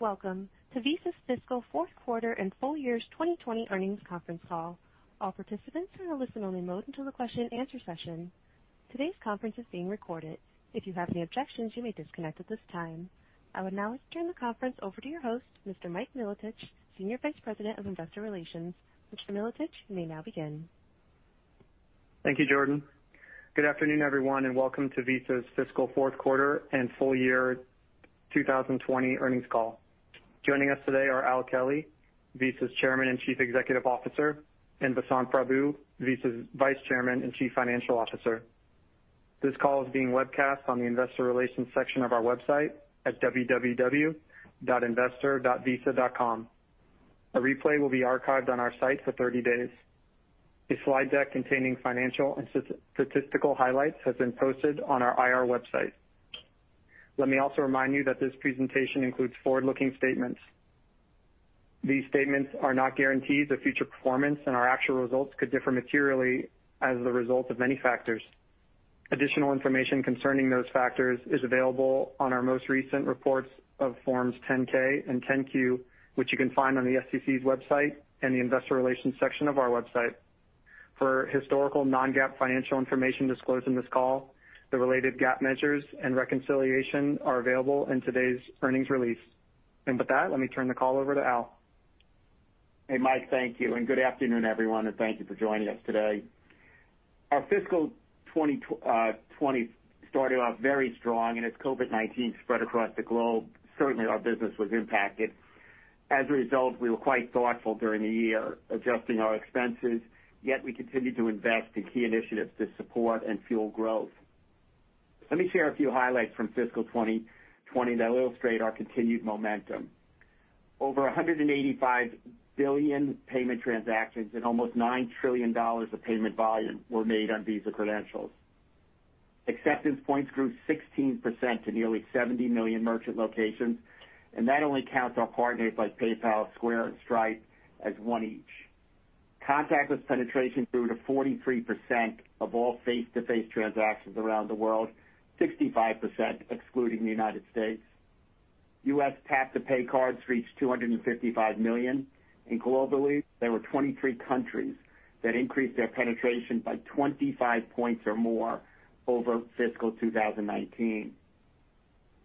Welcome to Visa's fiscal fourth quarter and full year 2020 earnings conference call. All participants are in a listen-only mode until the question-and-answer session. Today's conference is being recorded. If you have any objections, you may disconnect at this time. I would now like to turn the conference over to your host, Mr. Mike Milotich, Senior Vice President of Investor Relations. Mr. Milotich, you may now begin. Thank you, Jordan. Good afternoon, everyone, and welcome to Visa's fiscal fourth quarter and full year 2020 earnings call. Joining us today are Al Kelly, Visa's Chairman and Chief Executive Officer, and Vasant Prabhu, Visa's Vice Chairman and Chief Financial Officer. This call is being webcast on the investor relations section of our website at www.investor.visa.com. A replay will be archived on our site for 30 days. A slide deck containing financial and statistical highlights has been posted on our IR website. Let me also remind you that this presentation includes forward-looking statements. These statements are not guarantees of future performance, and our actual results could differ materially as a result of many factors. Additional information concerning those factors is available on our most recent reports of Forms 10-K and 10-Q, which you can find on the SEC's website and the investor relations section of our website. For historical non-GAAP financial information disclosed in this call, the related GAAP measures and reconciliation are available in today's earnings release. With that, let me turn the call over to Al. Hey, Mike, thank you, and good afternoon, everyone, and thank you for joining us today. Our fiscal 2020 started off very strong. As COVID-19 spread across the globe, certainly our business was impacted. As a result, we were quite thoughtful during the year, adjusting our expenses, yet we continued to invest in key initiatives to support and fuel growth. Let me share a few highlights from fiscal 2020 that illustrate our continued momentum. Over 185 billion payment transactions and almost $9 trillion of payment volume were made on Visa credentials. Acceptance points grew 16% to nearly 70 million merchant locations. That only counts our partners like PayPal, Square, and Stripe as one each. Contactless penetration grew to 43% of all face-to-face transactions around the world, 65% excluding the United States. U.S. tap-to-pay cards reached 255 million, and globally, there were 23 countries that increased their penetration by 25 points or more over FY 2019.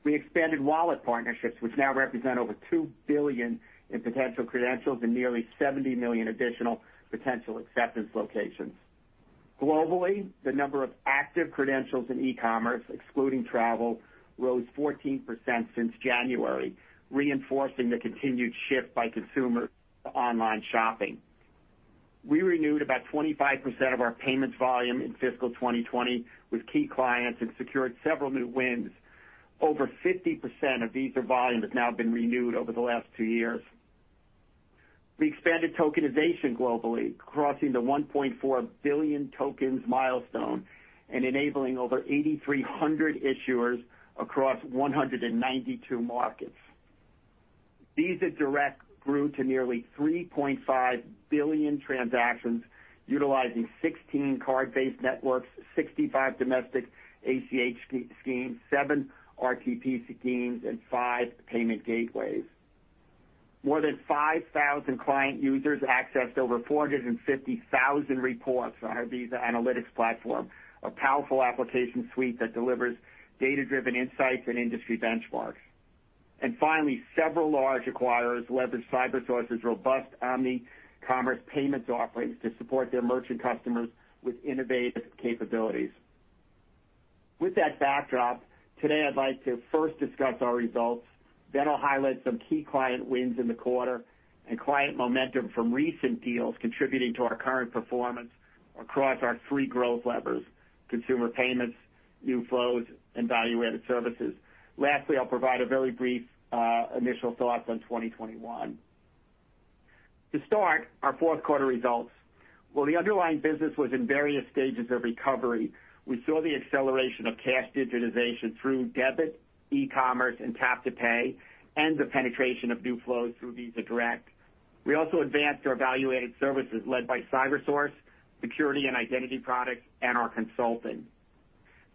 We expanded wallet partnerships, which now represent over $2 billion in potential credentials and nearly 70 million additional potential acceptance locations. Globally, the number of active credentials in e-commerce, excluding travel, rose 14% since January, reinforcing the continued shift by consumers to online shopping. We renewed about 25% of our payments volume in FY 2020 with key clients and secured several new wins. Over 50% of Visa volume has now been renewed over the last two years. We expanded tokenization globally, crossing the 1.4 billion tokens milestone and enabling over 8,300 issuers across 192 markets. Visa Direct grew to nearly 3.5 billion transactions utilizing 16 card-based networks, 65 domestic ACH schemes, seven RTP schemes, and five payment gateways. More than 5,000 client users accessed over 450,000 reports on our Visa Analytics Platform, a powerful application suite that delivers data-driven insights and industry benchmarks. Finally, several large acquirers leveraged CyberSource's robust omni-commerce payments offerings to support their merchant customers with innovative capabilities. With that backdrop, today, I'd like to first discuss our results. I'll highlight some key client wins in the quarter and client momentum from recent deals contributing to our current performance across our three growth levers, consumer payments, new flows, and value-added services. Lastly, I'll provide a very brief initial thought on 2021. To start, our fourth quarter results. While the underlying business was in various stages of recovery, we saw the acceleration of cash digitization through debit, e-commerce, and tap-to-pay, and the penetration of new flows through Visa Direct. We also advanced our value-added services led by CyberSource, security and identity products, and our consulting.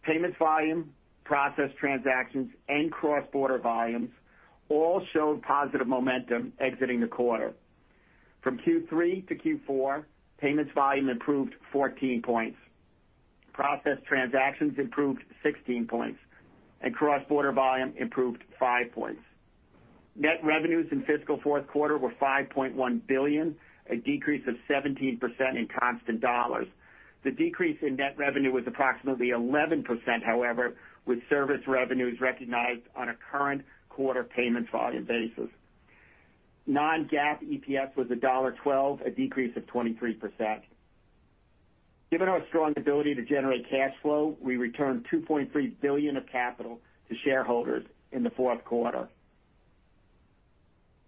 Payments volume, processed transactions, and cross-border volumes all showed positive momentum exiting the quarter. From Q3 to Q4, payments volume improved 14 points. Processed transactions improved 16 points, and cross-border volume improved five points. Net revenues in fiscal fourth quarter were $5.1 billion, a decrease of 17% in constant dollars. The decrease in net revenue was approximately 11%, however, with service revenues recognized on a current quarter payments volume basis. Non-GAAP EPS was $1.12, a decrease of 23%. Given our strong ability to generate cash flow, we returned $2.3 billion of capital to shareholders in the fourth quarter.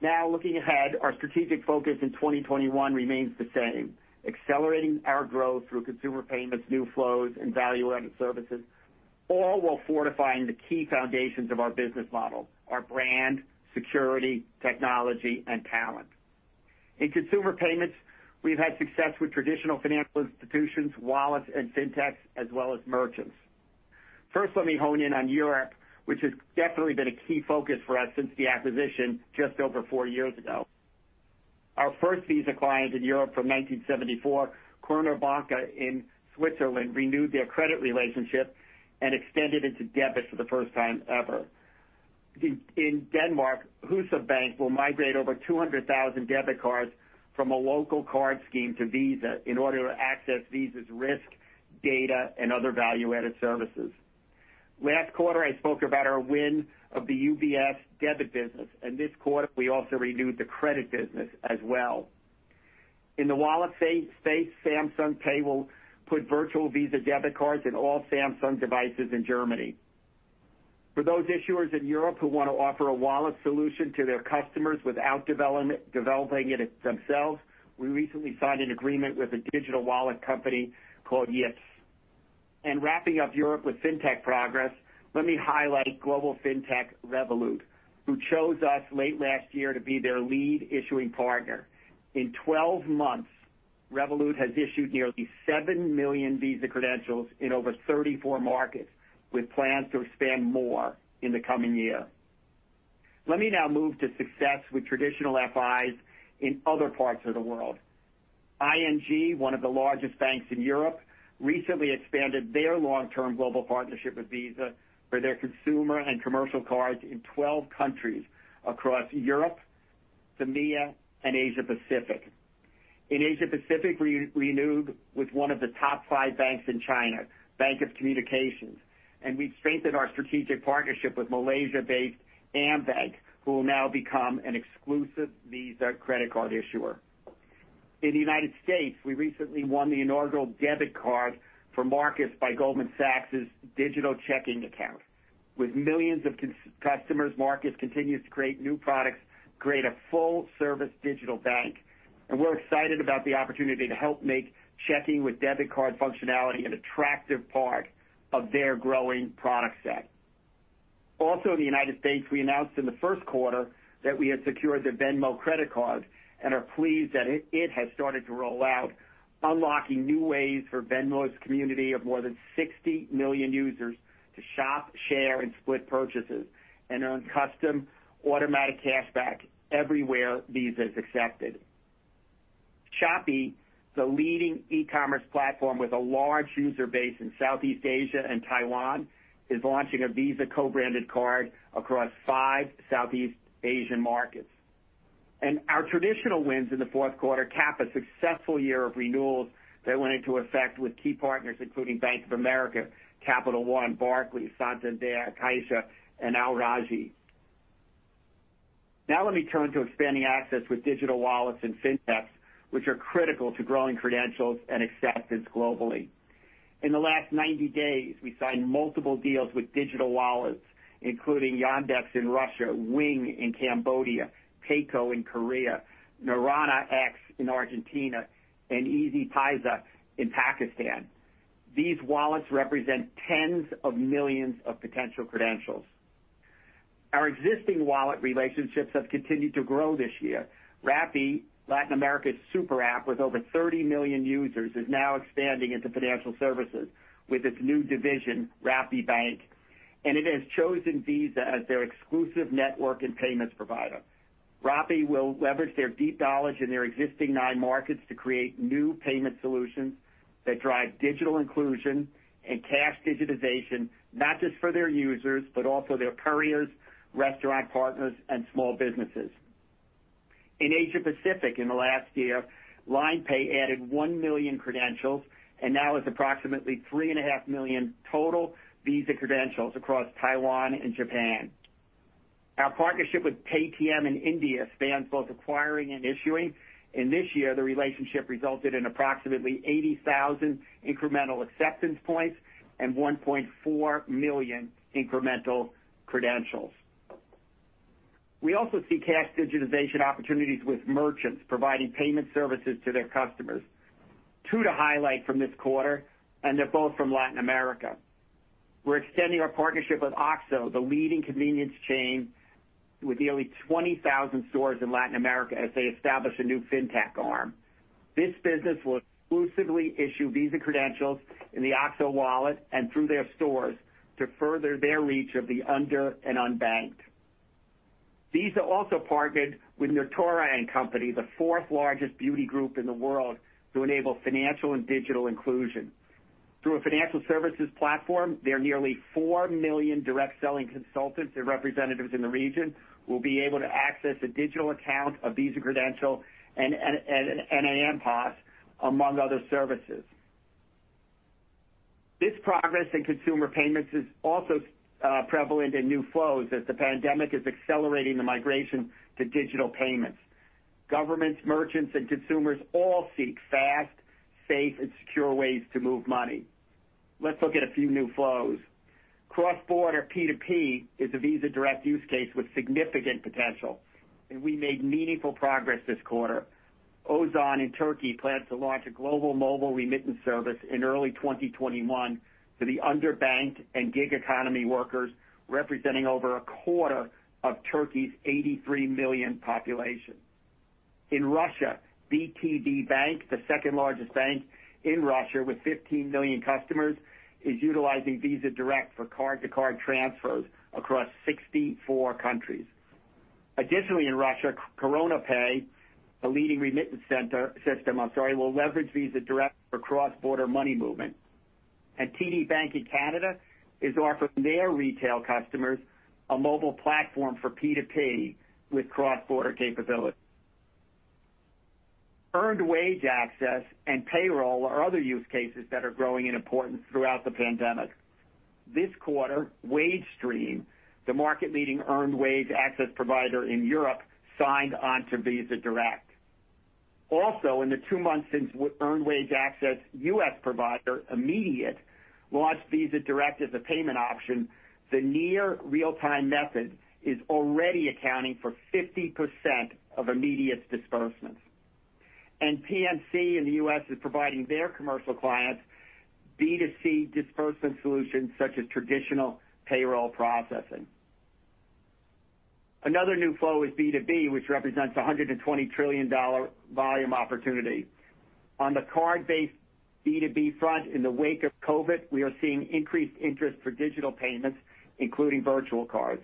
Now, looking ahead, our strategic focus in 2021 remains the same, accelerating our growth through consumer payments, new flows, and value-added services, all while fortifying the key foundations of our business model, our brand, security, technology, and talent. In consumer payments, we've had success with traditional financial institutions, wallets, and fintechs, as well as merchants. First, let me hone in on Europe, which has definitely been a key focus for us since the acquisition just over four years ago. Our first Visa client in Europe from 1974, Cornèr Banca in Switzerland, renewed their credit relationship and extended into debit for the first time ever. In Denmark, Jyske Bank will migrate over 200,000 debit cards from a local card scheme to Visa in order to access Visa's risk data and other value-added services. Last quarter, I spoke about our win of the UBS debit business. This quarter, we also renewed the credit business as well. In the wallet space, Samsung Pay will put virtual Visa debit cards in all Samsung devices in Germany. For those issuers in Europe who want to offer a wallet solution to their customers without developing it themselves, we recently signed an agreement with a digital wallet company called Vipps. Wrapping up Europe with fintech progress, let me highlight global fintech Revolut, who chose us late last year to be their lead issuing partner. In 12 months, Revolut has issued nearly seven million Visa credentials in over 34 markets, with plans to expand more in the coming year. Let me now move to success with traditional FIs in other parts of the world. ING, one of the largest banks in Europe, recently expanded their long-term global partnership with Visa for their consumer and commercial cards in 12 countries across Europe, EMEA, and Asia-Pacific. In Asia-Pacific, we renewed with one of the top five banks in China, Bank of Communications, and we strengthened our strategic partnership with Malaysia-based AmBank, who will now become an exclusive Visa credit card issuer. In the United States, we recently won the inaugural debit card for Marcus by Goldman Sachs' digital checking account. With millions of customers, Marcus continues to create new products, create a full-service digital bank, and we're excited about the opportunity to help make checking with debit card functionality an attractive part of their growing product set. Also in the United States, we announced in the first quarter that we had secured the Venmo Credit Card and are pleased that it has started to roll out, unlocking new ways for Venmo's community of more than 60 million users to shop, share, and split purchases and earn custom automatic cashback everywhere Visa is accepted. Shopee, the leading e-commerce platform with a large user base in Southeast Asia and Taiwan, is launching a Visa co-branded card across five Southeast Asian markets. Our traditional wins in the fourth quarter cap a successful year of renewals that went into effect with key partners, including Bank of America, Capital One, Barclays, Santander, Caixa, and Al Rajhi. Now let me turn to expanding access with digital wallets and fintechs, which are critical to growing credentials and acceptance globally. In the last 90 days, we signed multiple deals with digital wallets, including Yandex in Russia, Wing in Cambodia, PAYCO in Korea, Naranja X in Argentina, and easypaisa in Pakistan. These wallets represent tens of millions of potential credentials. Our existing wallet relationships have continued to grow this year. Rappi, Latin America's super app with over 30 million users, is now expanding into financial services with its new division, RappiBank, and it has chosen Visa as their exclusive network and payments provider. Rappi will leverage their deep knowledge in their existing nine markets to create new payment solutions that drive digital inclusion and cash digitization, not just for their users, but also their couriers, restaurant partners, and small businesses. In Asia-Pacific in the last year, LINE Pay added 1 million credentials and now has approximately 3.5 million total Visa credentials across Taiwan and Japan. Our partnership with Paytm in India spans both acquiring and issuing, and this year the relationship resulted in approximately 80,000 incremental acceptance points and 1.4 million incremental credentials. We also see cash digitization opportunities with merchants providing payment services to their customers. Two to highlight from this quarter, and they're both from Latin America. We're extending our partnership with OXXO, the leading convenience chain with nearly 20,000 stores in Latin America, as they establish a new fintech arm. This business will exclusively issue Visa credentials in the OXXO wallet and through their stores to further their reach of the under- and unbanked. Visa also partnered with Natura & Co, the fourth largest beauty group in the world, to enable financial and digital inclusion. Through a financial services platform, their nearly 4 million direct selling consultants and representatives in the region will be able to access a digital account, a Visa credential, and an MPOS, among other services. This progress in consumer payments is also prevalent in new flows as the pandemic is accelerating the migration to digital payments. Governments, merchants, and consumers all seek fast, safe, and secure ways to move money. Let's look at a few new flows. Cross-border P2P is a Visa Direct use case with significant potential, and we made meaningful progress this quarter. Ozan in Turkey plans to launch a global mobile remittance service in early 2021 to the underbanked and gig economy workers, representing over a quarter of Turkey's 83 million population. In Russia, VTB Bank, the second-largest bank in Russia with 15 million customers, is utilizing Visa Direct for card-to-card transfers across 64 countries. Additionally, in Russia, KoronaPay, a leading remittance system, will leverage Visa Direct for cross-border money movement. TD Bank in Canada is offering their retail customers a mobile platform for P2P with cross-border capability. Earned wage access and payroll are other use cases that are growing in importance throughout the pandemic. This quarter, Wagestream, the market-leading earned wage access provider in Europe, signed on to Visa Direct. Also, in the two months since earned wage access U.S. provider Immediate launched Visa Direct as a payment option, the near real-time method is already accounting for 50% of Immediate's disbursements. PNC in the U.S. is providing their commercial clients B2C disbursement solutions such as traditional payroll processing. Another new flow is B2B, which represents a $120 trillion volume opportunity. On the card-based B2B front, in the wake of COVID, we are seeing increased interest for digital payments, including virtual cards.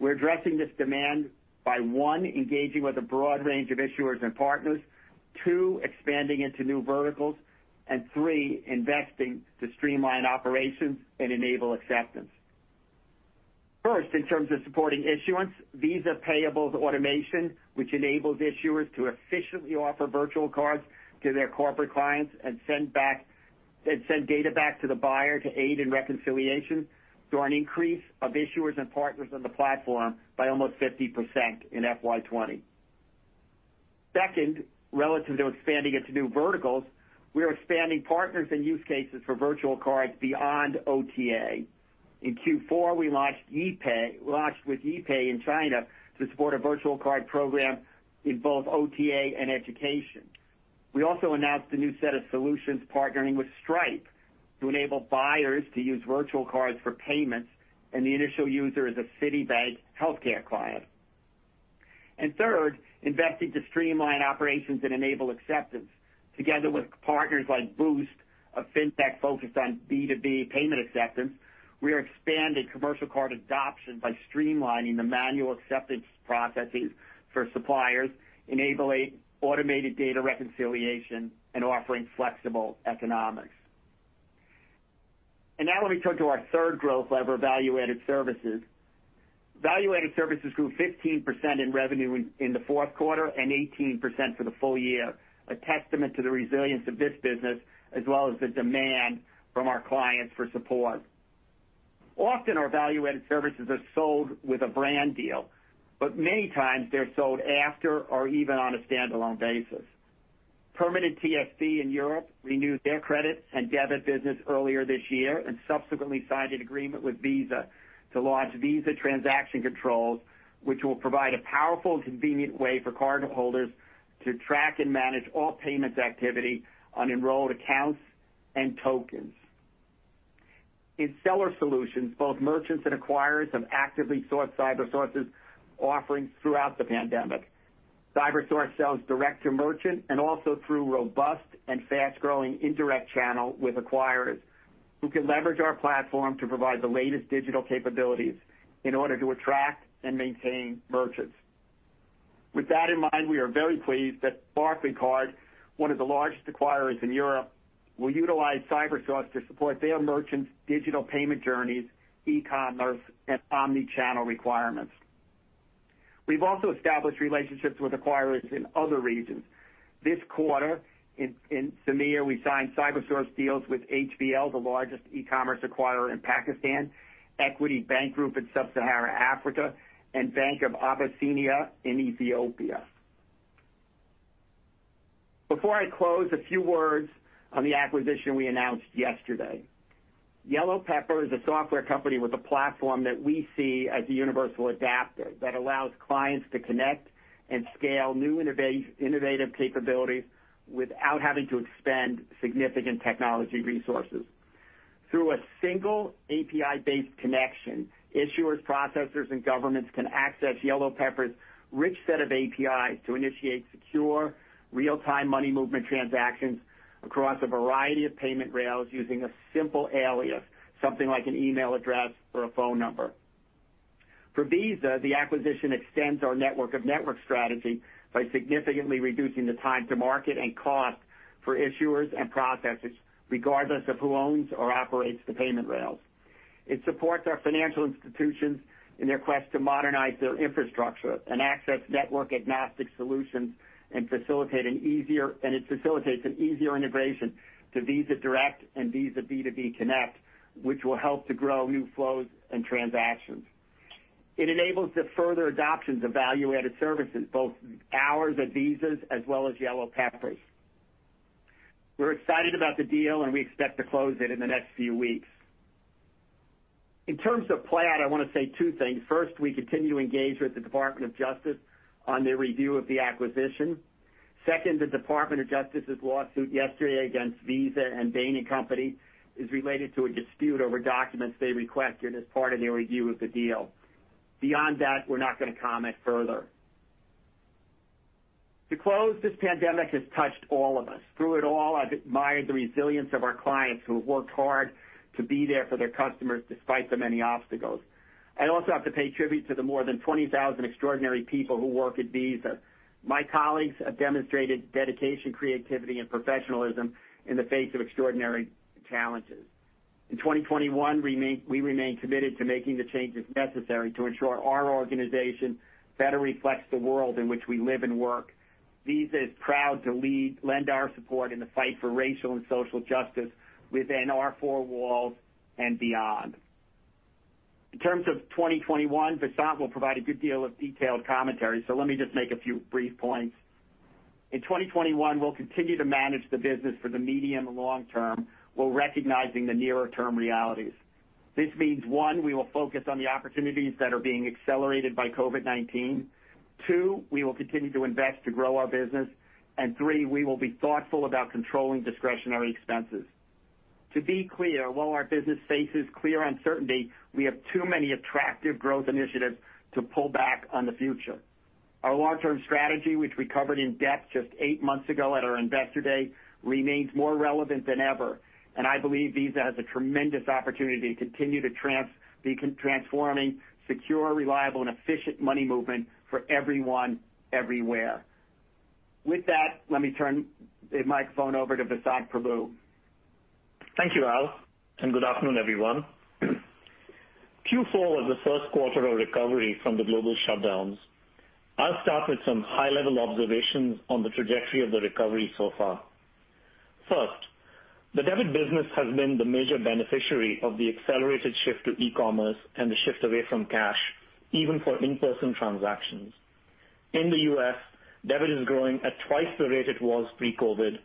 We're addressing this demand by, one, engaging with a broad range of issuers and partners, two, expanding into new verticals, and three, investing to streamline operations and enable acceptance. First, in terms of supporting issuance, Visa Payables Automation, which enables issuers to efficiently offer virtual cards to their corporate clients and send data back to the buyer to aid in reconciliation, saw an increase of issuers and partners on the platform by almost 50% in FY 2020. Second, relative to expanding into new verticals, we are expanding partners and use cases for virtual cards beyond OTA. In Q4, we launched with YeePay in China to support a virtual card program in both OTA and education. We also announced a new set of solutions partnering with Stripe to enable buyers to use virtual cards for payments, and the initial user is a Citibank healthcare client. Third, investing to streamline operations and enable acceptance. Together with partners like Boost, a fintech focused on B2B payment acceptance, we are expanding commercial card adoption by streamlining the manual acceptance processes for suppliers, enabling automated data reconciliation, and offering flexible economics. Now let me turn to our third growth lever, value-added services. Value-added services grew 15% in revenue in the fourth quarter and 18% for the full year, a testament to the resilience of this business as well as the demand from our clients for support. Often, our value-added services are sold with a brand deal, but many times they're sold after or even on a standalone basis. Permanent TSB in Europe renewed their credit and debit business earlier this year and subsequently signed an agreement with Visa to launch Visa Transaction Controls, which will provide a powerful and convenient way for cardholders to track and manage all payments activity on enrolled accounts and tokens. In Seller Solutions, both merchants and acquirers have actively sought CyberSource's offerings throughout the pandemic. CyberSource sells direct to merchant and also through robust and fast-growing indirect channel with acquirers who can leverage our platform to provide the latest digital capabilities in order to attract and maintain merchants. With that in mind, we are very pleased that Barclaycard, one of the largest acquirers in Europe, will utilize CyberSource to support their merchants' digital payment journeys, e-commerce, and omnichannel requirements. We've also established relationships with acquirers in other regions. This quarter, in MEA, we signed CyberSource deals with HBL, the largest e-commerce acquirer in Pakistan, Equity Bank Group in sub-Sahara Africa, and Bank of Abyssinia in Ethiopia. Before I close, a few words on the acquisition we announced yesterday. YellowPepper is a software company with a platform that we see as a universal adapter that allows clients to connect and scale new innovative capabilities without having to expend significant technology resources. Through a single API-based connection, issuers, processors, and governments can access YellowPepper's rich set of APIs to initiate secure, real-time money movement transactions across a variety of payment rails using a simple alias, something like an email address or a phone number. For Visa, the acquisition extends our network of network strategy by significantly reducing the time to market and cost for issuers and processors, regardless of who owns or operates the payment rails. It supports our financial institutions in their quest to modernize their infrastructure and access network-agnostic solutions, and it facilitates an easier integration to Visa Direct and Visa B2B Connect, which will help to grow new flows and transactions. It enables the further adoption of value-added services, both ours at Visa's as well as YellowPepper's. We're excited about the deal, and we expect to close it in the next few weeks. In terms of Plaid, I want to say two things. First, we continue to engage with the Department of Justice on their review of the acquisition. Second, the Department of Justice's lawsuit yesterday against Visa and Bain & Company is related to a dispute over documents they requested as part of their review of the deal. Beyond that, we're not going to comment further. To close, this pandemic has touched all of us. Through it all, I've admired the resilience of our clients who have worked hard to be there for their customers despite the many obstacles. I also have to pay tribute to the more than 20,000 extraordinary people who work at Visa. My colleagues have demonstrated dedication, creativity, and professionalism in the face of extraordinary challenges. In 2021, we remain committed to making the changes necessary to ensure our organization better reflects the world in which we live and work. Visa is proud to lend our support in the fight for racial and social justice within our four walls and beyond. In terms of 2021, Vasant will provide a good deal of detailed commentary, so let me just make a few brief points. In 2021, we'll continue to manage the business for the medium and long term, while recognizing the nearer-term realities. This means, one, we will focus on the opportunities that are being accelerated by COVID-19. Two, we will continue to invest to grow our business. Three, we will be thoughtful about controlling discretionary expenses. To be clear, while our business faces clear uncertainty, we have too many attractive growth initiatives to pull back on the future. Our long-term strategy, which we covered in depth just eight months ago at our Investor Day, remains more relevant than ever, and I believe Visa has a tremendous opportunity to continue transforming secure, reliable, and efficient money movement for everyone, everywhere. With that, let me turn the microphone over to Vasant Prabhu. Thank you, Al, and good afternoon, everyone. Q4 was the first quarter of recovery from the global shutdowns. I'll start with some high-level observations on the trajectory of the recovery so far. First, the debit business has been the major beneficiary of the accelerated shift to e-commerce and the shift away from cash, even for in-person transactions. In the U.S., debit is growing at twice the rate it was pre-COVID,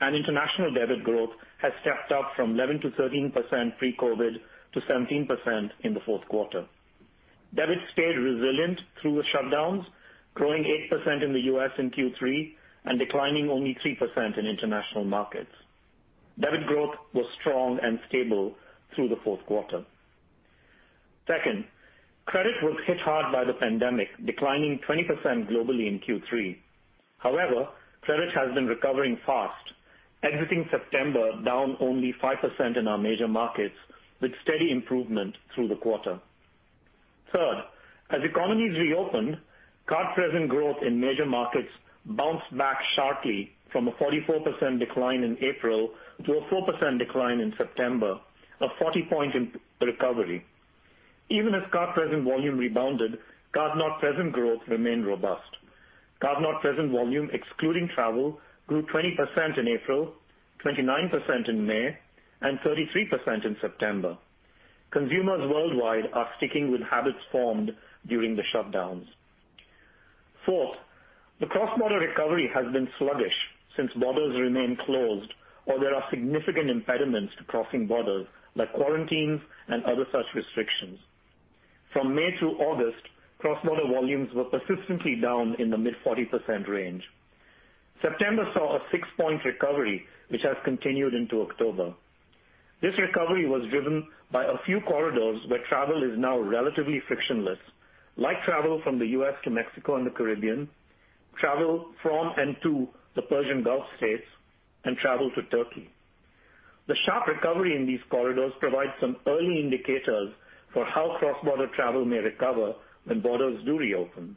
and international debit growth has stepped up from 11% to 13% pre-COVID to 17% in the fourth quarter. Debit stayed resilient through the shutdowns, growing 8% in the U.S. in Q3 and declining only 3% in international markets. Debit growth was strong and stable through the fourth quarter. Second, credit was hit hard by the pandemic, declining 20% globally in Q3. However, credit has been recovering fast, exiting September down only 5% in our major markets, with steady improvement through the quarter. Third, as economies reopened, card-present growth in major markets bounced back sharply from a 44% decline in April to a 4% decline in September, a 40-point recovery. Even as card-present volume rebounded, card-not-present growth remained robust. Card-not-present volume, excluding travel, grew 20% in April, 29% in May, and 33% in September. Consumers worldwide are sticking with habits formed during the shutdowns. Fourth, the cross-border recovery has been sluggish since borders remain closed or there are significant impediments to crossing borders, like quarantines and other such restrictions. From May through August, cross-border volumes were persistently down in the mid-40% range. September saw a six-point recovery, which has continued into October. This recovery was driven by a few corridors where travel is now relatively frictionless, like travel from the U.S. to Mexico and the Caribbean, travel from and to the Persian Gulf states, and travel to Turkey. The sharp recovery in these corridors provides some early indicators for how cross-border travel may recover when borders do reopen.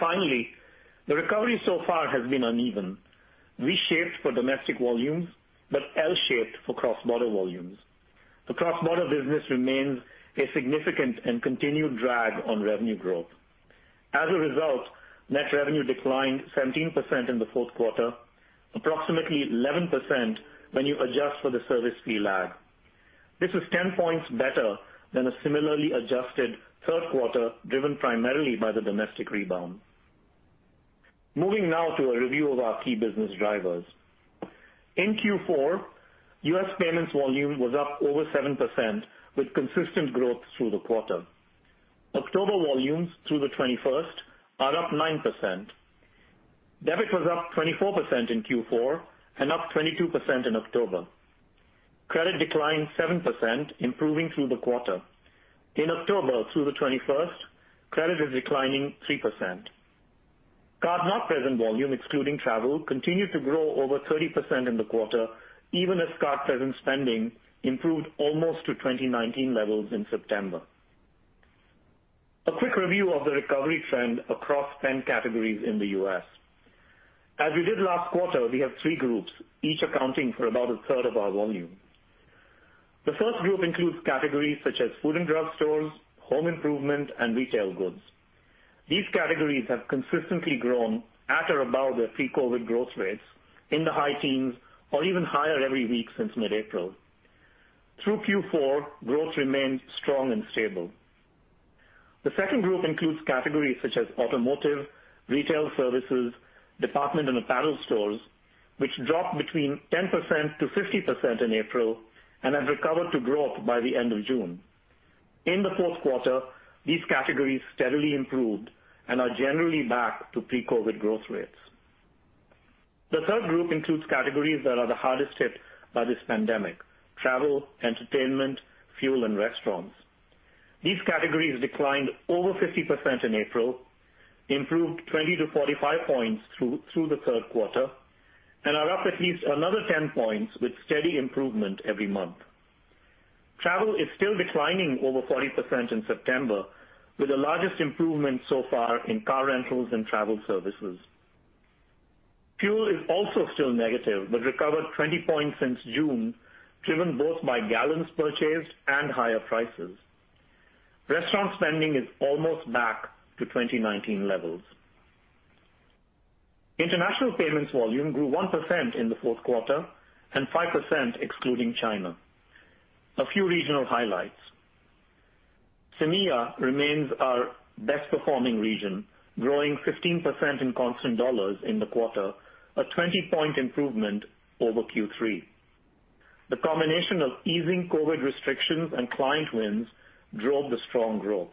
Finally, the recovery so far has been uneven. V-shaped for domestic volumes, L-shaped for cross-border volumes. The cross-border business remains a significant and continued drag on revenue growth. Result, net revenue declined 17% in the fourth quarter, approximately 11% when you adjust for the service fee lag. This is 10 points better than a similarly adjusted third quarter, driven primarily by the domestic rebound. Moving now to a review of our key business drivers. In Q4, U.S. payments volume was up over 7% with consistent growth through the quarter. October volumes through the 21st are up 9%. Debit was up 24% in Q4 and up 22% in October. Credit declined 7%, improving through the quarter. In October through the 21st, credit is declining 3%. Card-not-present volume, excluding travel, continued to grow over 30% in the quarter, even as card-present spending improved almost to 2019 levels in September. A quick review of the recovery trend across 10 categories in the U.S. As we did last quarter, we have three groups, each accounting for about a third of our volume. The first group includes categories such as food and drug stores, home improvement, and retail goods. These categories have consistently grown at or above their pre-COVID growth rates in the high teens or even higher every week since mid-April. Through Q4, growth remained strong and stable. The second group includes categories such as automotive, retail services, department and apparel stores, which dropped between 10%-50% in April and have recovered to growth by the end of June. In the fourth quarter, these categories steadily improved and are generally back to pre-COVID growth rates. The third group includes categories that are the hardest hit by this pandemic, travel, entertainment, fuel, and restaurants. These categories declined over 50% in April, improved 20-45 points through the third quarter, and are up at least another 10 points with steady improvement every month. Travel is still declining over 40% in September, with the largest improvement so far in car rentals and travel services. Fuel is also still negative but recovered 20 points since June, driven both by gallons purchased and higher prices. Restaurant spending is almost back to 2019 levels. International payments volume grew 1% in the fourth quarter and 5% excluding China. A few regional highlights. CEMEA remains our best-performing region, growing 15% in constant USD in the quarter, a 20-point improvement over Q3. The combination of easing COVID restrictions and client wins drove the strong growth.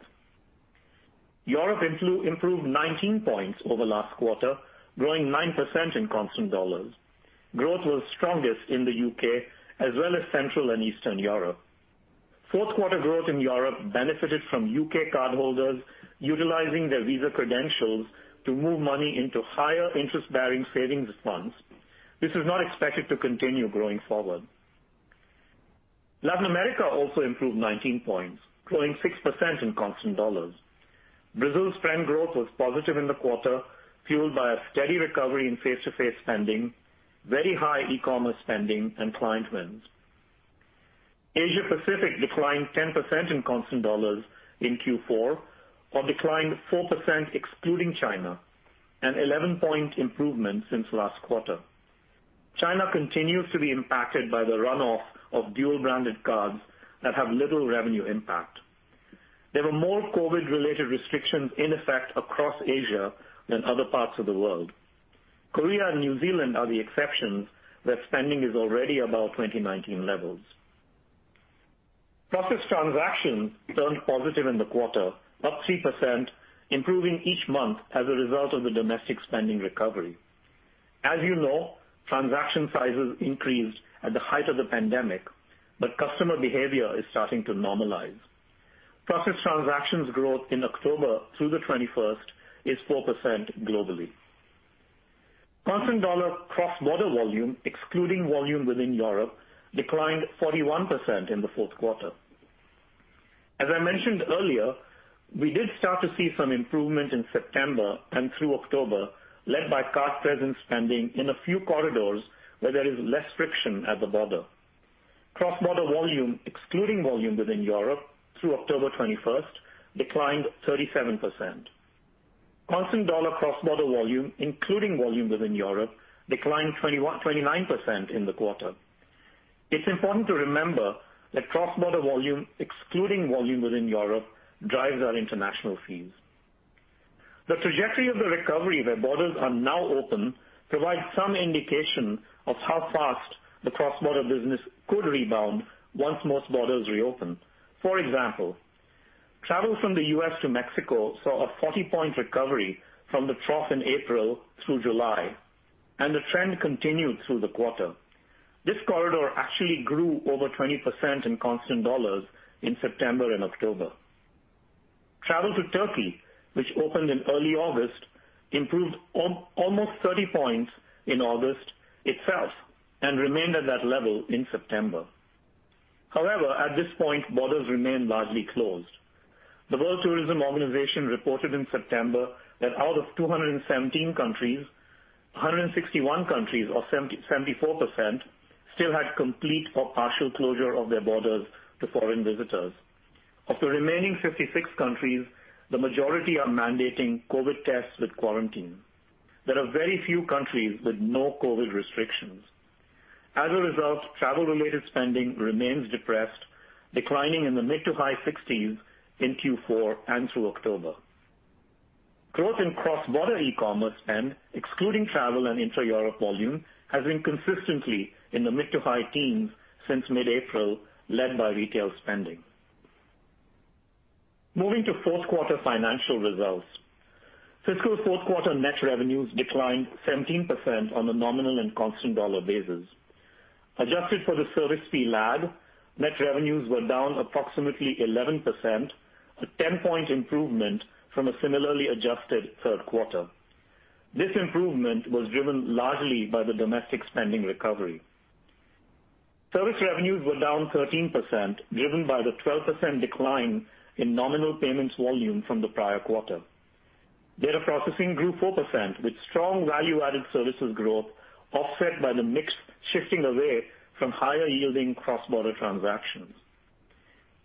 Europe improved 19 points over last quarter, growing 9% in constant USD. Growth was strongest in the U.K. as well as Central and Eastern Europe. Fourth quarter growth in Europe benefited from U.K. cardholders utilizing their Visa credentials to move money into higher interest-bearing savings accounts. This is not expected to continue going forward. Latin America also improved 19 points, growing 6% in constant USD. Brazil's trend growth was positive in the quarter, fueled by a steady recovery in face-to-face spending, very high e-commerce spending, and client wins. Asia Pacific declined 10% in constant dollars in Q4 or declined 4% excluding China, an 11-point improvement since last quarter. China continues to be impacted by the runoff of dual-branded cards that have little revenue impact. There were more COVID-related restrictions in effect across Asia than other parts of the world. Korea and New Zealand are the exceptions, where spending is already above 2019 levels. Processed transactions turned positive in the quarter, up 3%, improving each month as a result of the domestic spending recovery. As you know, transaction sizes increased at the height of the pandemic, but customer behavior is starting to normalize. Processed transactions growth in October through the 21st is 4% globally. Constant dollar cross-border volume, excluding volume within Europe, declined 41% in the fourth quarter. As I mentioned earlier, we did start to see some improvement in September and through October, led by card-present spending in a few corridors where there is less friction at the border. Cross-border volume excluding volume within Europe through October 21st declined 37%. Constant dollar cross-border volume, including volume within Europe, declined 29% in the quarter. It's important to remember that cross-border volume, excluding volume within Europe, drives our international fees. The trajectory of the recovery where borders are now open provides some indication of how fast the cross-border business could rebound once most borders reopen. For example, travel from the U.S. to Mexico saw a 40-point recovery from the trough in April through July, and the trend continued through the quarter. This corridor actually grew over 20% in constant dollars in September and October. Travel to Turkey, which opened in early August, improved almost 30 points in August itself and remained at that level in September. At this point, borders remain largely closed. The World Tourism Organization reported in September that out of 217 countries, 161 countries or 74% still had complete or partial closure of their borders to foreign visitors. Of the remaining 56 countries, the majority are mandating COVID tests with quarantine. There are very few countries with no COVID restrictions. Travel-related spending remains depressed, declining in the mid to high 60s in Q4 and through October. Growth in cross-border e-commerce spend, excluding travel and intra-Europe volume, has been consistently in the mid to high teens since mid-April, led by retail spending. Moving to fourth quarter financial results. Fiscal fourth quarter net revenues declined 17% on a nominal and constant dollar basis. Adjusted for the service fee lag, net revenues were down approximately 11%, a 10-point improvement from a similarly adjusted third quarter. This improvement was driven largely by the domestic spending recovery. Service revenues were down 13%, driven by the 12% decline in nominal payments volume from the prior quarter. Data processing grew 4%, with strong value-added services growth offset by the mix shifting away from higher-yielding cross-border transactions.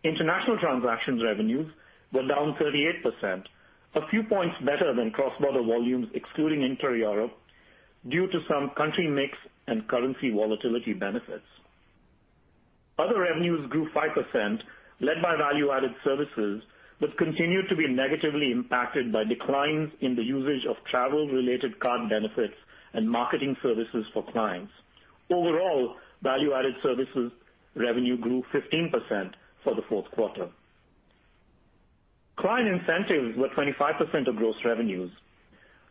International transactions revenues were down 38%, a few points better than cross-border volumes excluding intra-Europe, due to some country mix and currency volatility benefits. Other revenues grew 5%, led by value-added services, but continued to be negatively impacted by declines in the usage of travel-related card benefits and marketing services for clients. Overall, value-added services revenue grew 15% for the fourth quarter. Client incentives were 25% of gross revenues.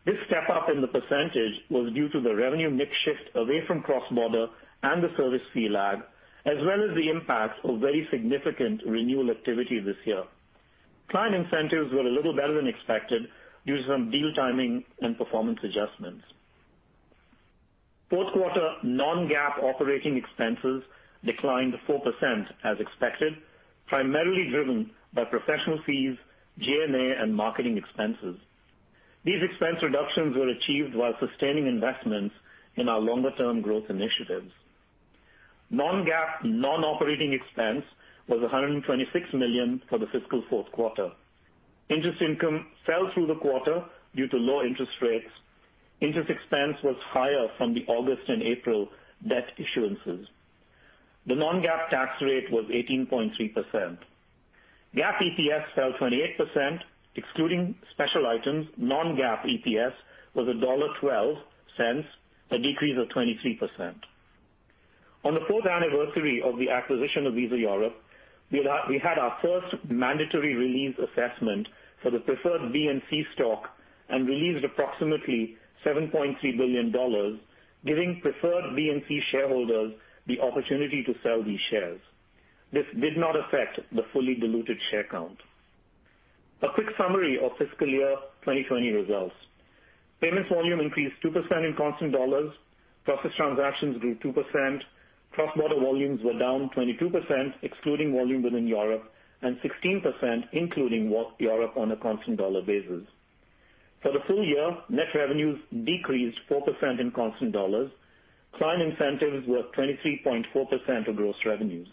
This step-up in the percentage was due to the revenue mix shift away from cross-border and the service fee lag, as well as the impact of very significant renewal activity this year. Client incentives were a little better than expected due to some deal timing and performance adjustments. Fourth quarter non-GAAP operating expenses declined 4% as expected, primarily driven by professional fees, G&A, and marketing expenses. These expense reductions were achieved while sustaining investments in our longer-term growth initiatives. Non-GAAP non-operating expense was $126 million for the fiscal fourth quarter. Interest income fell through the quarter due to low interest rates. Interest expense was higher from the August and April debt issuances. The non-GAAP tax rate was 18.3%. GAAP EPS fell 28%, excluding special items, non-GAAP EPS was $1.12, a decrease of 23%. On the fourth anniversary of the acquisition of Visa Europe, we had our first mandatory release assessment for the preferred B and C stock and released approximately $7.3 billion, giving preferred B and C shareholders the opportunity to sell these shares. This did not affect the fully diluted share count. A quick summary of fiscal year 2020 results. Payments volume increased 2% in constant dollars. Processed transactions grew 2%. Cross-border volumes were down 22%, excluding volume within Europe, and 16%, including Europe on a constant dollar basis. For the full year, net revenues decreased 4% in constant dollars. Client incentives were 23.4% of gross revenues.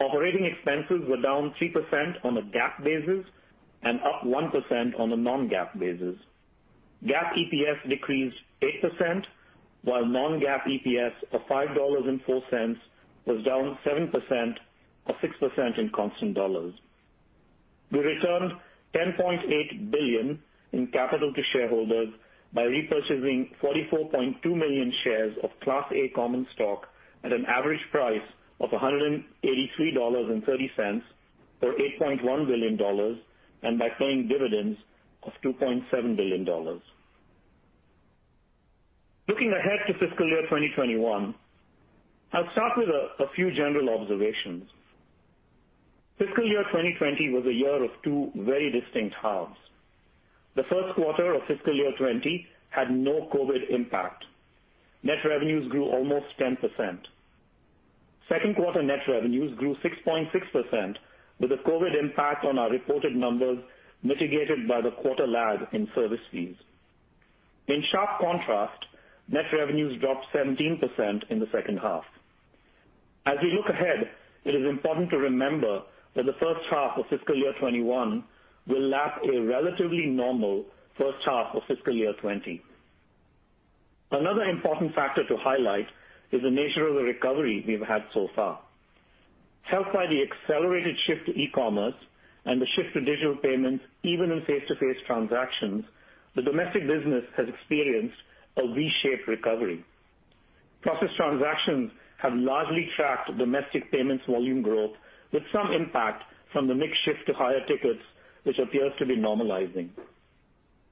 Operating expenses were down 3% on a GAAP basis and up 1% on a non-GAAP basis. GAAP EPS decreased 8%, while non-GAAP EPS of $5.04 was down 7% or 6% in constant dollars. We returned $10.8 billion in capital to shareholders by repurchasing 44.2 million shares of Class A common stock at an average price of $183.30, or $8.1 billion, and by paying dividends of $2.7 billion. Looking ahead to fiscal year 2021, I'll start with a few general observations. Fiscal year 2020 was a year of two very distinct halves. The first quarter of fiscal year 2020 had no COVID impact. Net revenues grew almost 10%. Second quarter net revenues grew 6.6% with the COVID impact on our reported numbers mitigated by the quarter lag in service fees. In sharp contrast, net revenues dropped 17% in the second half. As we look ahead, it is important to remember that the first half of fiscal year 2021 will lap a relatively normal first half of fiscal year 2020. Another important factor to highlight is the nature of the recovery we've had so far. Helped by the accelerated shift to e-commerce and the shift to digital payments even in face-to-face transactions, the domestic business has experienced a V-shaped recovery. Processed transactions have largely tracked domestic payments volume growth with some impact from the mix shift to higher tickets, which appears to be normalizing.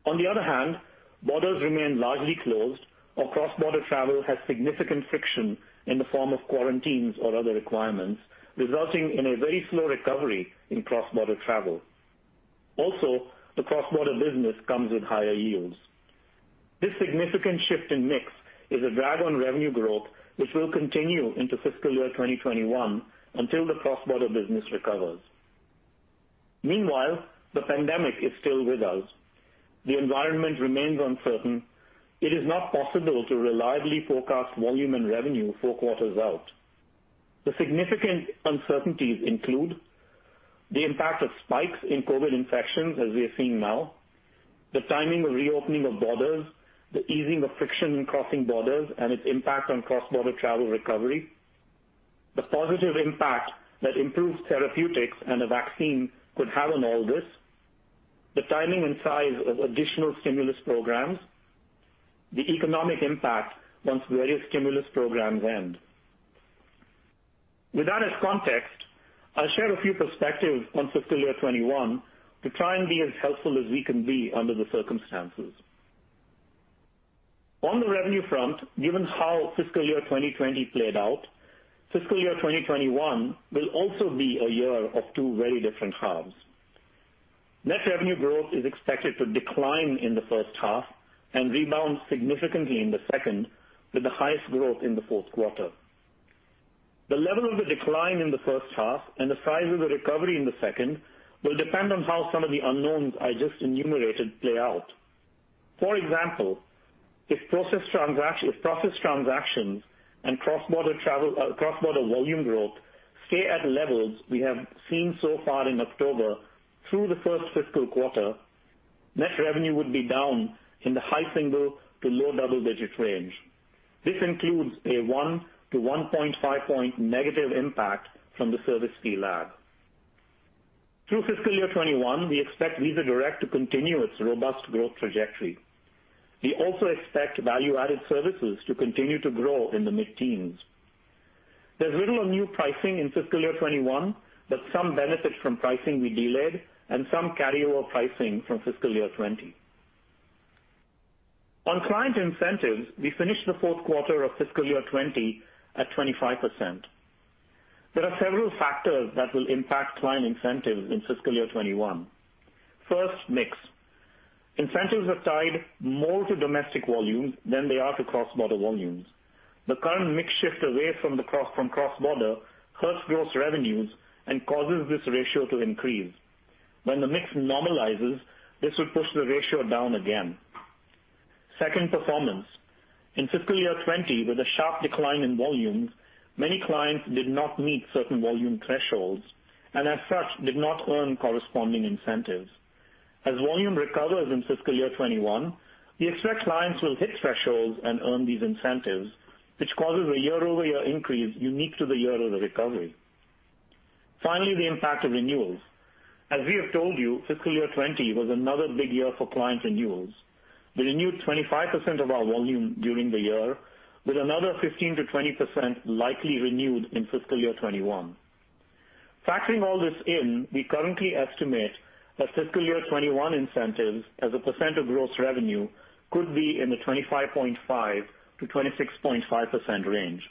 On the other hand, borders remain largely closed or cross-border travel has significant friction in the form of quarantines or other requirements, resulting in a very slow recovery in cross-border travel. Also, the cross-border business comes with higher yields. This significant shift in mix is a drag on revenue growth, which will continue into fiscal year 2021 until the cross-border business recovers. Meanwhile, the pandemic is still with us. The environment remains uncertain. It is not possible to reliably forecast volume and revenue four quarters out. The significant uncertainties include the impact of spikes in COVID infections as we are seeing now, the timing of reopening of borders, the easing of friction in crossing borders and its impact on cross-border travel recovery, the positive impact that improved therapeutics and a vaccine could have on all this, the timing and size of additional stimulus programs, the economic impact once various stimulus programs end. With that as context, I'll share a few perspectives on fiscal year 2021 to try and be as helpful as we can be under the circumstances. On the revenue front, given how fiscal year 2020 played out, fiscal year 2021 will also be a year of two very different halves. Net revenue growth is expected to decline in the first half and rebound significantly in the second, with the highest growth in the fourth quarter. The level of the decline in the first half and the size of the recovery in the second will depend on how some of the unknowns I just enumerated play out. For example, if processed transactions and cross-border volume growth stay at levels we have seen so far in October through the first fiscal quarter, net revenue would be down in the high single-digit to low double-digit range. This includes a 1-1.5 point negative impact from the service fee lag. Through FY 2021, we expect Visa Direct to continue its robust growth trajectory. We also expect value-added services to continue to grow in the mid-teens. There's little on new pricing in FY 2021, but some benefit from pricing we delayed, and some carryover pricing from FY 2020. On client incentives, we finished the fourth quarter of FY 2020 at 25%. There are several factors that will impact client incentives in fiscal year 2021. First, mix. Incentives are tied more to domestic volumes than they are to cross-border volumes. The current mix shift away from cross-border hurts gross revenues and causes this ratio to increase. When the mix normalizes, this would push the ratio down again. Second, performance. In fiscal year 2020, with a sharp decline in volumes, many clients did not meet certain volume thresholds and as such, did not earn corresponding incentives. As volume recovers in fiscal year 2021, we expect clients will hit thresholds and earn these incentives, which causes a year-over-year increase unique to the year of the recovery. Finally, the impact of renewals. As we have told you, fiscal year 2020 was another big year for client renewals. We renewed 25% of our volume during the year, with another 15%-20% likely renewed in FY 2021. Factoring all this in, we currently estimate that FY 2021 incentives as a percent of gross revenue could be in the 25.5%-26.5% range.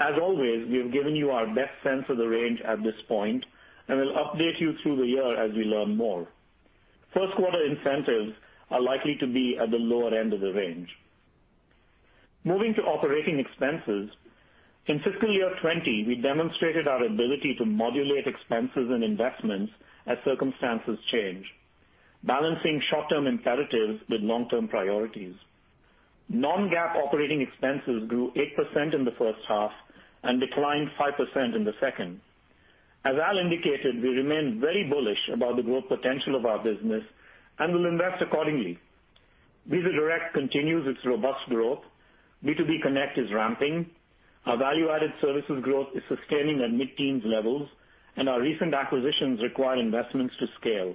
As always, we have given you our best sense of the range at this point, and we'll update you through the year as we learn more. First quarter incentives are likely to be at the lower end of the range. Moving to operating expenses. In FY 2020, we demonstrated our ability to modulate expenses and investments as circumstances change, balancing short-term imperatives with long-term priorities. Non-GAAP operating expenses grew 8% in the first half and declined 5% in the second. As Al indicated, we remain very bullish about the growth potential of our business and will invest accordingly. Visa Direct continues its robust growth. B2B Connect is ramping. Our value-added services growth is sustaining at mid-teens levels, and our recent acquisitions require investments to scale.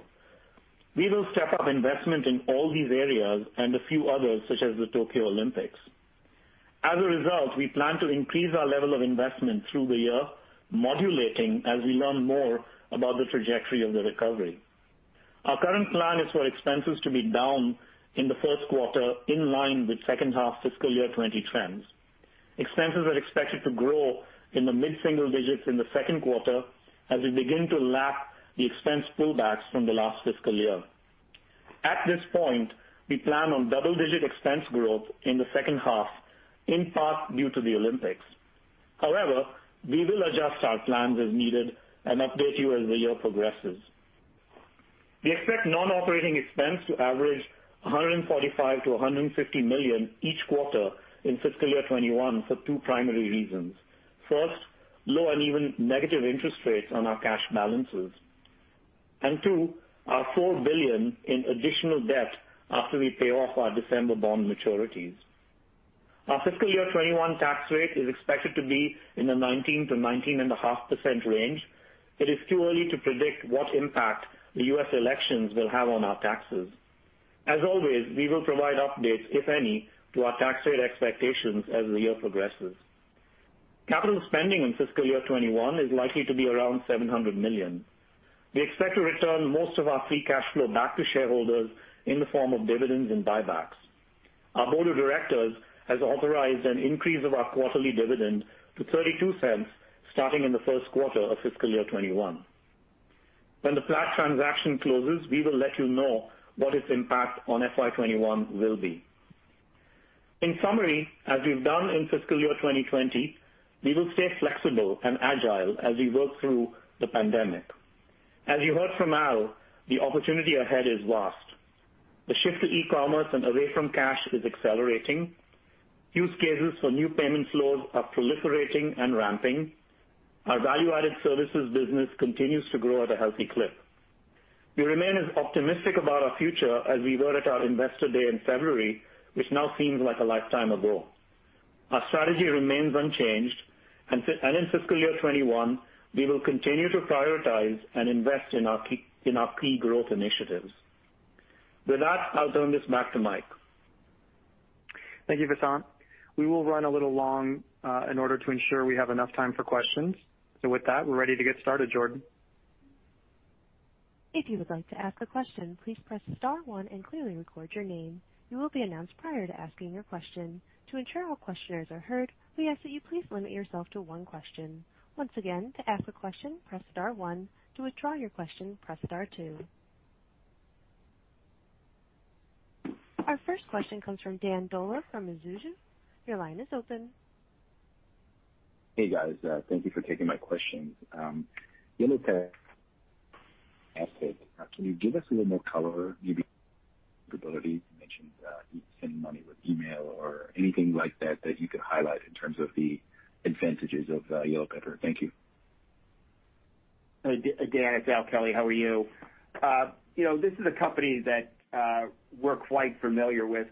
We will step up investment in all these areas and a few others, such as the Tokyo Olympics. As a result, we plan to increase our level of investment through the year, modulating as we learn more about the trajectory of the recovery. Our current plan is for expenses to be down in the first quarter, in line with second half fiscal year 2020 trends. Expenses are expected to grow in the mid-single digits in the second quarter as we begin to lap the expense pullbacks from the last fiscal year. At this point, we plan on double-digit expense growth in the second half, in part due to the Olympics. However, we will adjust our plans as needed and update you as the year progresses. We expect non-operating expense to average $145 million-$150 million each quarter in fiscal year 2021 for two primary reasons: First, low uneven negative interest rates on our cash balances, and two, our $4 billion in additional debt after we pay off our December bond maturities. Our fiscal year 2021 tax rate is expected to be in the 19%-19.5% range. It is too early to predict what impact the U.S. elections will have on our taxes. As always, we will provide updates, if any, to our tax rate expectations as the year progresses. Capital spending in fiscal year 2021 is likely to be around $700 million. We expect to return most of our free cash flow back to shareholders in the form of dividends and buybacks. Our Board of Directors has authorized an increase of our quarterly dividend to $0.32 starting in the first quarter of FY 2021. When the Plaid transaction closes, we will let you know what its impact on FY 2021 will be. In summary, as we've done in FY 2020, we will stay flexible and agile as we work through the pandemic. As you heard from Al, the opportunity ahead is vast. The shift to e-commerce and away from cash is accelerating. Use cases for new payment flows are proliferating and ramping. Our value-added services business continues to grow at a healthy clip. We remain as optimistic about our future as we were at our investor day in February, which now seems like a lifetime ago. Our strategy remains unchanged, and in FY 2021, we will continue to prioritize and invest in our key growth initiatives. With that, I'll turn this back to Mike. Thank you, Vasant. We will run a little long in order to ensure we have enough time for questions. With that, we're ready to get started, Jordan. Our first question comes from Dan Dolev from Mizuho. Your line is open. Hey, guys. Thank you for taking my questions. YellowPepper asset. Can you give us a little more color, maybe capability? You mentioned sending money with email or anything like that that you could highlight in terms of the advantages of YellowPepper. Thank you. Dan, it's Al Kelly. How are you? This is a company that we're quite familiar with.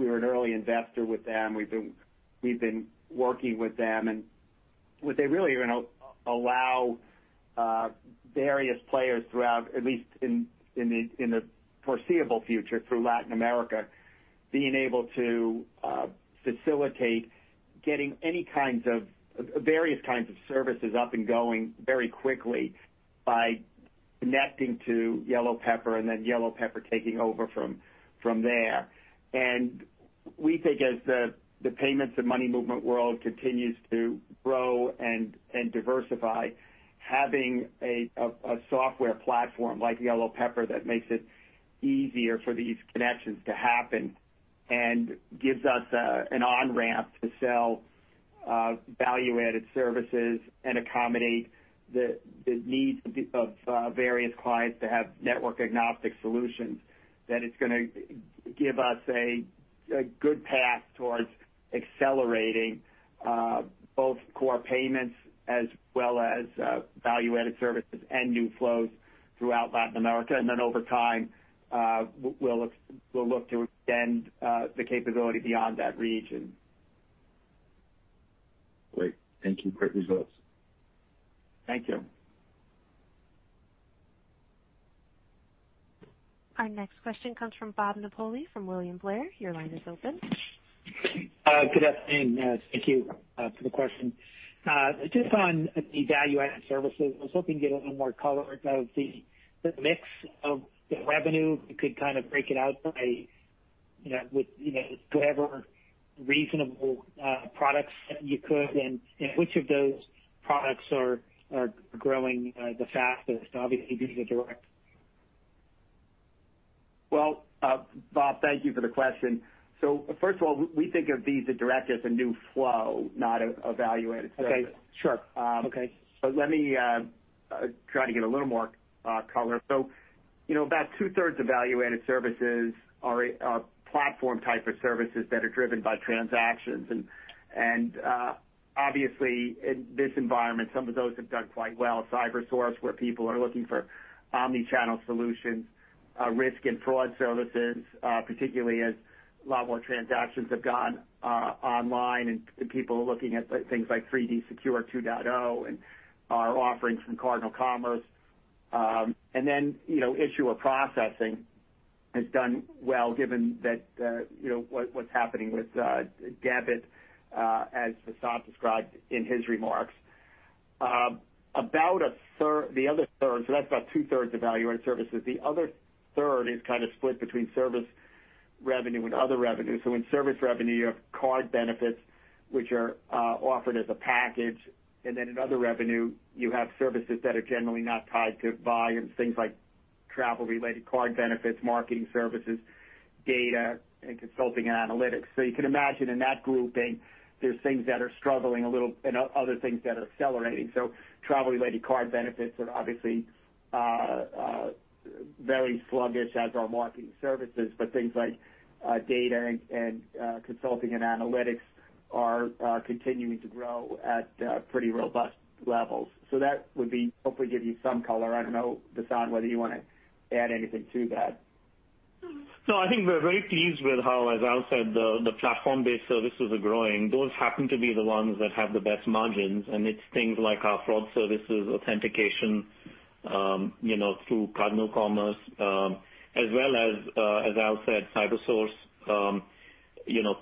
We were an early investor with them. We've been working with them, and what they really allow various players throughout, at least in the foreseeable future through Latin America, being able to facilitate getting various kinds of services up and going very quickly by connecting to YellowPepper and then YellowPepper taking over from there. We think as the payments and money movement world continues to grow and diversify, having a software platform like YellowPepper that makes it easier for these connections to happen and gives us an on-ramp to sell value-added services and accommodate the needs of various clients to have network-agnostic solutions, that it's going to give us a good path towards accelerating both core payments as well as value-added services and new flows throughout Latin America. Over time, we'll look to extend the capability beyond that region. Great. Thank you. Great results. Thank you. Our next question comes from Bob Napoli from William Blair. Your line is open. Good afternoon. Thank you for the question. On the value-added services, I was hoping to get a little more color about the mix of the revenue. If you could kind of break it out by whatever reasonable products that you could, which of those products are growing the fastest, obviously Visa Direct. Well, Bob, thank you for the question. First of all, we think of Visa Direct as a new flow, not a value-added service. Okay. Sure. Okay. Let me try to give a little more color. About two-thirds of value-added services are platform type of services that are driven by transactions. Obviously in this environment, some of those have done quite well. CyberSource, where people are looking for omni-channel solutions, risk and fraud services, particularly as a lot more transactions have gone online and people are looking at things like 3D Secure 2.0 and our offerings from CardinalCommerce. Then issuer processing has done well given what's happening with debit as Vasant described in his remarks. That's about two-thirds of value-added services. The other third is kind of split between service revenue and other revenue. In service revenue, you have card benefits which are offered as a package, in other revenue you have services that are generally not tied to volume. Things like travel-related card benefits, marketing services, data and consulting and analytics. You can imagine in that grouping, there's things that are struggling a little and other things that are accelerating. Travel-related card benefits are obviously very sluggish as are marketing services, but things like data and consulting and analytics are continuing to grow at pretty robust levels. That would hopefully give you some color. I don't know, Vasant, whether you want to add anything to that. No, I think we're very pleased with how, as Al said, the platform-based services are growing. Those happen to be the ones that have the best margins, and it's things like our fraud services authentication through CardinalCommerce as well as Al said, CyberSource.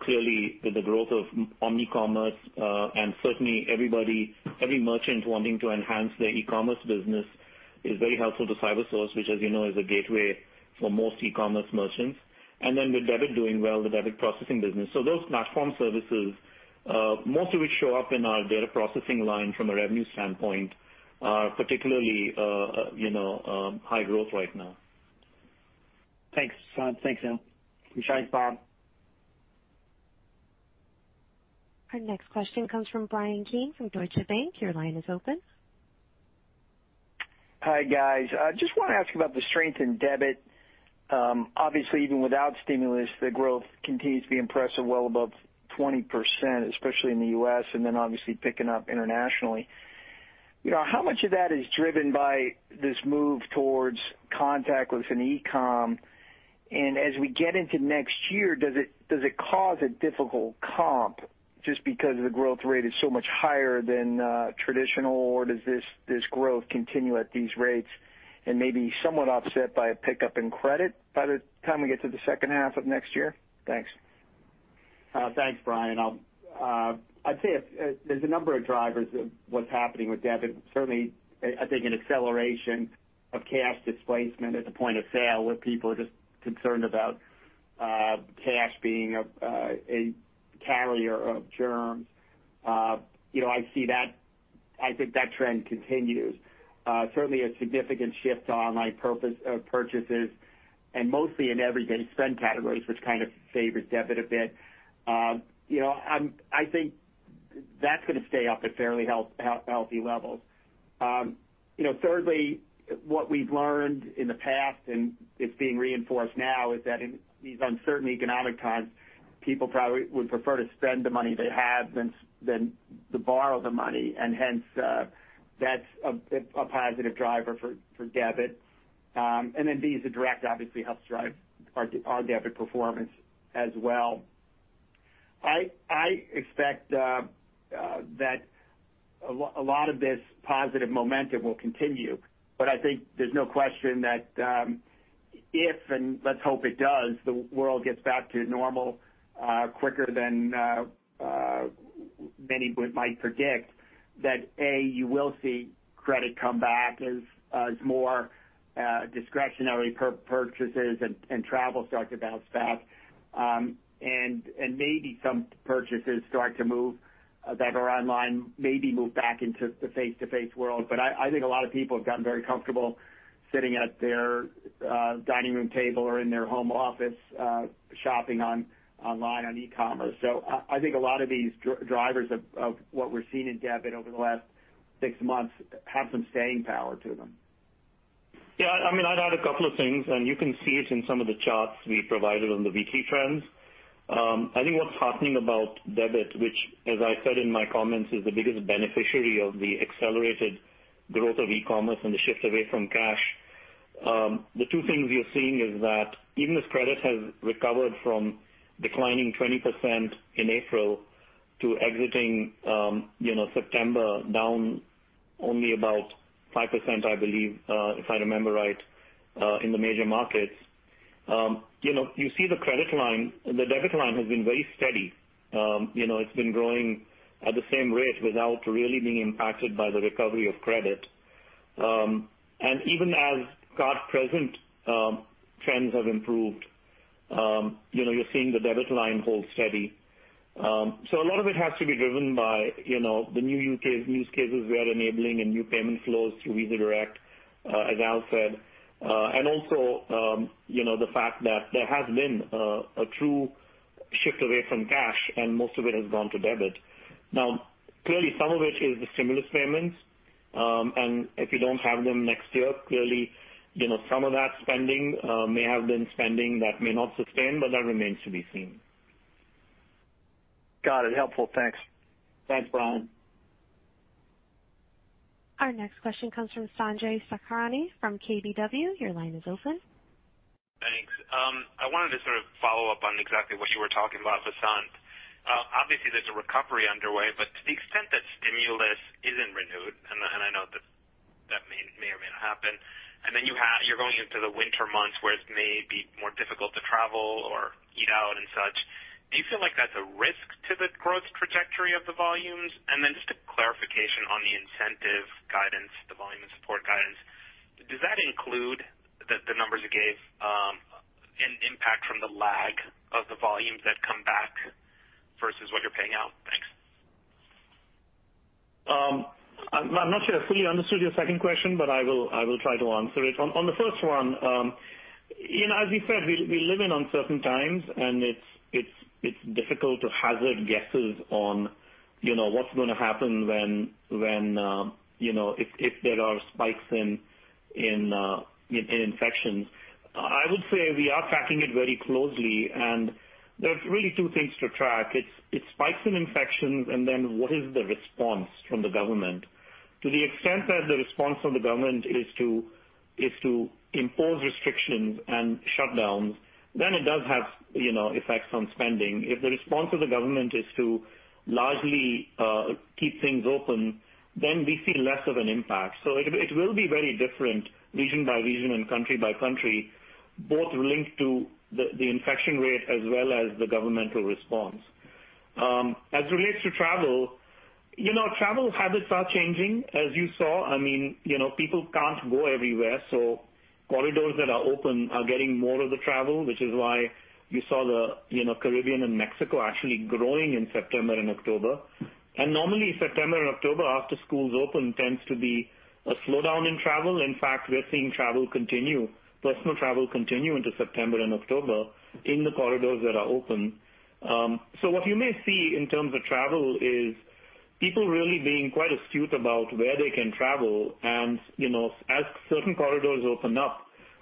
Clearly with the growth of omni-commerce and certainly every merchant wanting to enhance their e-commerce business is very helpful to CyberSource, which as you know is a gateway for most e-commerce merchants. With debit doing well, the debit processing business. Those platform services most of which show up in our data processing line from a revenue standpoint are particularly high growth right now. Thanks, Vasant. Thanks, Al. Thanks, Bob. Our next question comes from Bryan Keane from Deutsche Bank. Your line is open. Hi, guys. Just want to ask you about the strength in debit. Obviously even without stimulus, the growth continues to be impressive, well above 20%, especially in the U.S. Then obviously picking up internationally. How much of that is driven by this move towards contactless and e-com? As we get into next year, does it cause a difficult comp just because the growth rate is so much higher than traditional, or does this growth continue at these rates and maybe somewhat offset by a pickup in credit by the time we get to the second half of next year? Thanks. Thanks, Bryan. I'd say there's a number of drivers of what's happening with debit. Certainly, I think an acceleration of cash displacement at the point of sale where people are just concerned about cash being a carrier of germs. I think that trend continues. Certainly a significant shift to online purchases and mostly in everyday spend categories, which kind of favors debit a bit. I think that's going to stay up at fairly healthy levels. Thirdly, what we've learned in the past, and it's being reinforced now, is that in these uncertain economic times, people probably would prefer to spend the money they have than to borrow the money, and hence that's a positive driver for debit. Visa Direct obviously helps drive our debit performance as well. I expect that a lot of this positive momentum will continue. I think there's no question that if, and let's hope it does, the world gets back to normal quicker than many might predict that, A, you will see credit come back as more discretionary purchases and travel start to bounce back. Maybe some purchases start to move, that are online, maybe move back into the face-to-face world. I think a lot of people have gotten very comfortable sitting at their dining room table or in their home office, shopping online on e-commerce. I think a lot of these drivers of what we're seeing in debit over the last six months have some staying power to them. I'd add a couple of things. You can see it in some of the charts we provided on the VT trends. I think what's heartening about debit, which, as I said in my comments, is the biggest beneficiary of the accelerated growth of e-commerce and the shift away from cash. The two things we are seeing is that even as credit has recovered from declining 20% in April to exiting September down only about 5%, I believe, if I remember right, in the major markets. You see the debit line has been very steady. It's been growing at the same rate without really being impacted by the recovery of credit. Even as card-present trends have improved, you're seeing the debit line hold steady. A lot of it has to be driven by the new use cases we are enabling and new payment flows through Visa Direct, as Al said, and also the fact that there has been a true shift away from cash, and most of it has gone to debit. Clearly, some of it is the stimulus payments. If you don't have them next year, clearly, some of that spending may have been spending that may not sustain, but that remains to be seen. Got it. Helpful. Thanks. Thanks, Bryan. Our next question comes from Sanjay Sakhrani from KBW. Your line is open. Thanks. I wanted to sort of follow up on exactly what you were talking about, Vasant. Obviously, there's a recovery underway. To the extent that stimulus isn't renewed, and I know that may or may not happen. You're going into the winter months where it may be more difficult to travel or eat out and such. Do you feel like that's a risk to the growth trajectory of the volumes? Just a clarification on the incentive guidance, the volume and support guidance. Does that include the numbers you gave, impact from the lag of the volumes that come back versus what you're paying out? Thanks. I'm not sure I fully understood your second question, but I will try to answer it. On the first one, as we said, we live in uncertain times, and it's difficult to hazard guesses on what's going to happen if there are spikes in infections. I would say we are tracking it very closely, and there are really two things to track. It's spikes in infections and then what is the response from the government. To the extent that the response from the government is to impose restrictions and shutdowns, then it does have effects on spending. If the response of the government is to largely keep things open, then we see less of an impact. It will be very different region by region and country by country, both linked to the infection rate as well as the governmental response. As it relates to travel habits are changing, as you saw. People can't go everywhere, so corridors that are open are getting more of the travel, which is why you saw the Caribbean and Mexico actually growing in September and October. Normally September and October after schools open tends to be a slowdown in travel. In fact, we're seeing personal travel continue into September and October in the corridors that are open. What you may see in terms of travel is people really being quite astute about where they can travel. As certain corridors open up,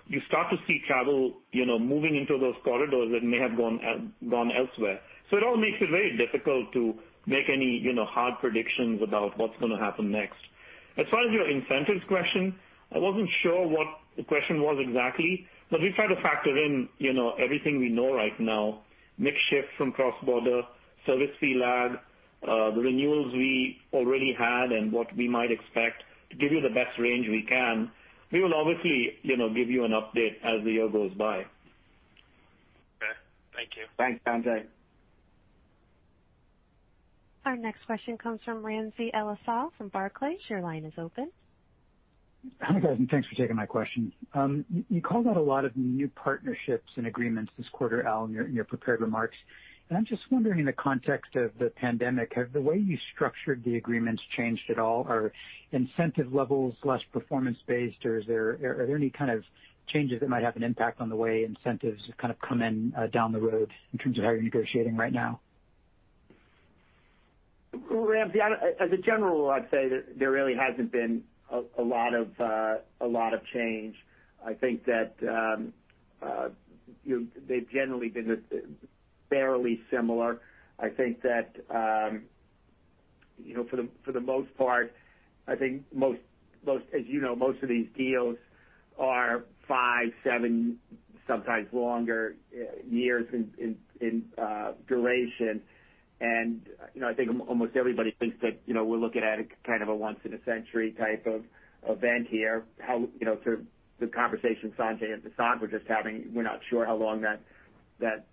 you start to see travel moving into those corridors that may have gone elsewhere. It all makes it very difficult to make any hard predictions about what's going to happen next. As far as your incentives question, I wasn't sure what the question was exactly, but we try to factor in everything we know right now, mix shift from cross-border, service fee lag, the renewals we already had, and what we might expect to give you the best range we can. We will obviously give you an update as the year goes by. Okay. Thank you. Thanks, Sanjay. Our next question comes from Ramsey El-Assal from Barclays. Your line is open. Hi, guys, and thanks for taking my question. You called out a lot of new partnerships and agreements this quarter, Al, in your prepared remarks. I'm just wondering, in the context of the pandemic, have the way you structured the agreements changed at all? Are incentive levels less performance-based, or are there any kind of changes that might have an impact on the way incentives kind of come in down the road in terms of how you're negotiating right now? Ramsey, as a general rule, I'd say that there really hasn't been a lot of change. I think that they've generally been fairly similar. For the most part, I think as you know, most of these deals are five, seven, sometimes longer years in duration. I think almost everybody thinks that we're looking at kind of a once in a century type of event here. The conversation Sanjay and Vasant were just having, we're not sure how long that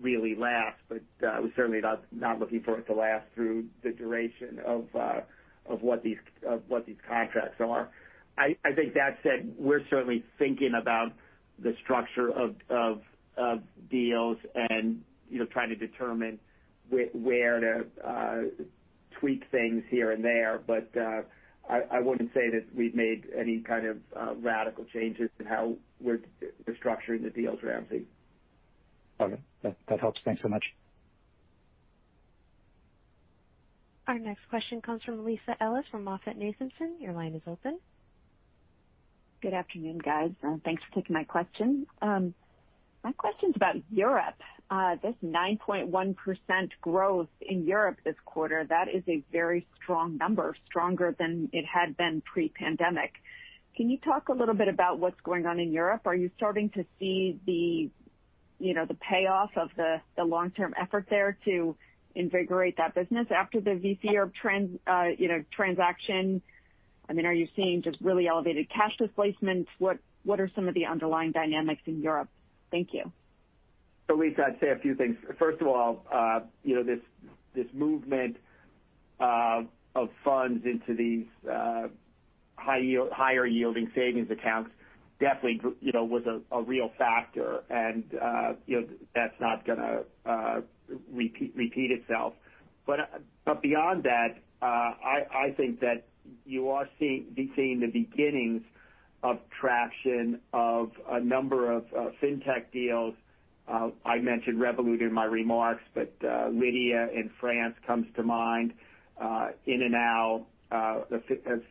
really lasts, but we're certainly not looking for it to last through the duration of what these contracts are. I think that said, we're certainly thinking about the structure of deals and trying to determine where to tweak things here and there. I wouldn't say that we've made any kind of radical changes in how we're structuring the deals, Ramsey. Okay. That helps. Thanks so much. Our next question comes from Lisa Ellis from MoffettNathanson. Your line is open. Good afternoon, guys. Thanks for taking my question. My question's about Europe. This 9.1% growth in Europe this quarter, that is a very strong number, stronger than it had been pre-pandemic. Can you talk a little bit about what's going on in Europe? Are you starting to see the payoff of the long-term effort there to invigorate that business after the Visa Europe transaction? Are you seeing just really elevated cash displacements? What are some of the underlying dynamics in Europe? Thank you. Lisa, I'd say a few things. First of all, this movement of funds into these higher yielding savings accounts definitely was a real factor, and that's not going to repeat itself. Beyond that, I think that you are seeing the beginnings of traction of a number of Fintech deals. I mentioned Revolut in my remarks, but Lydia in France comes to mind. ininal, the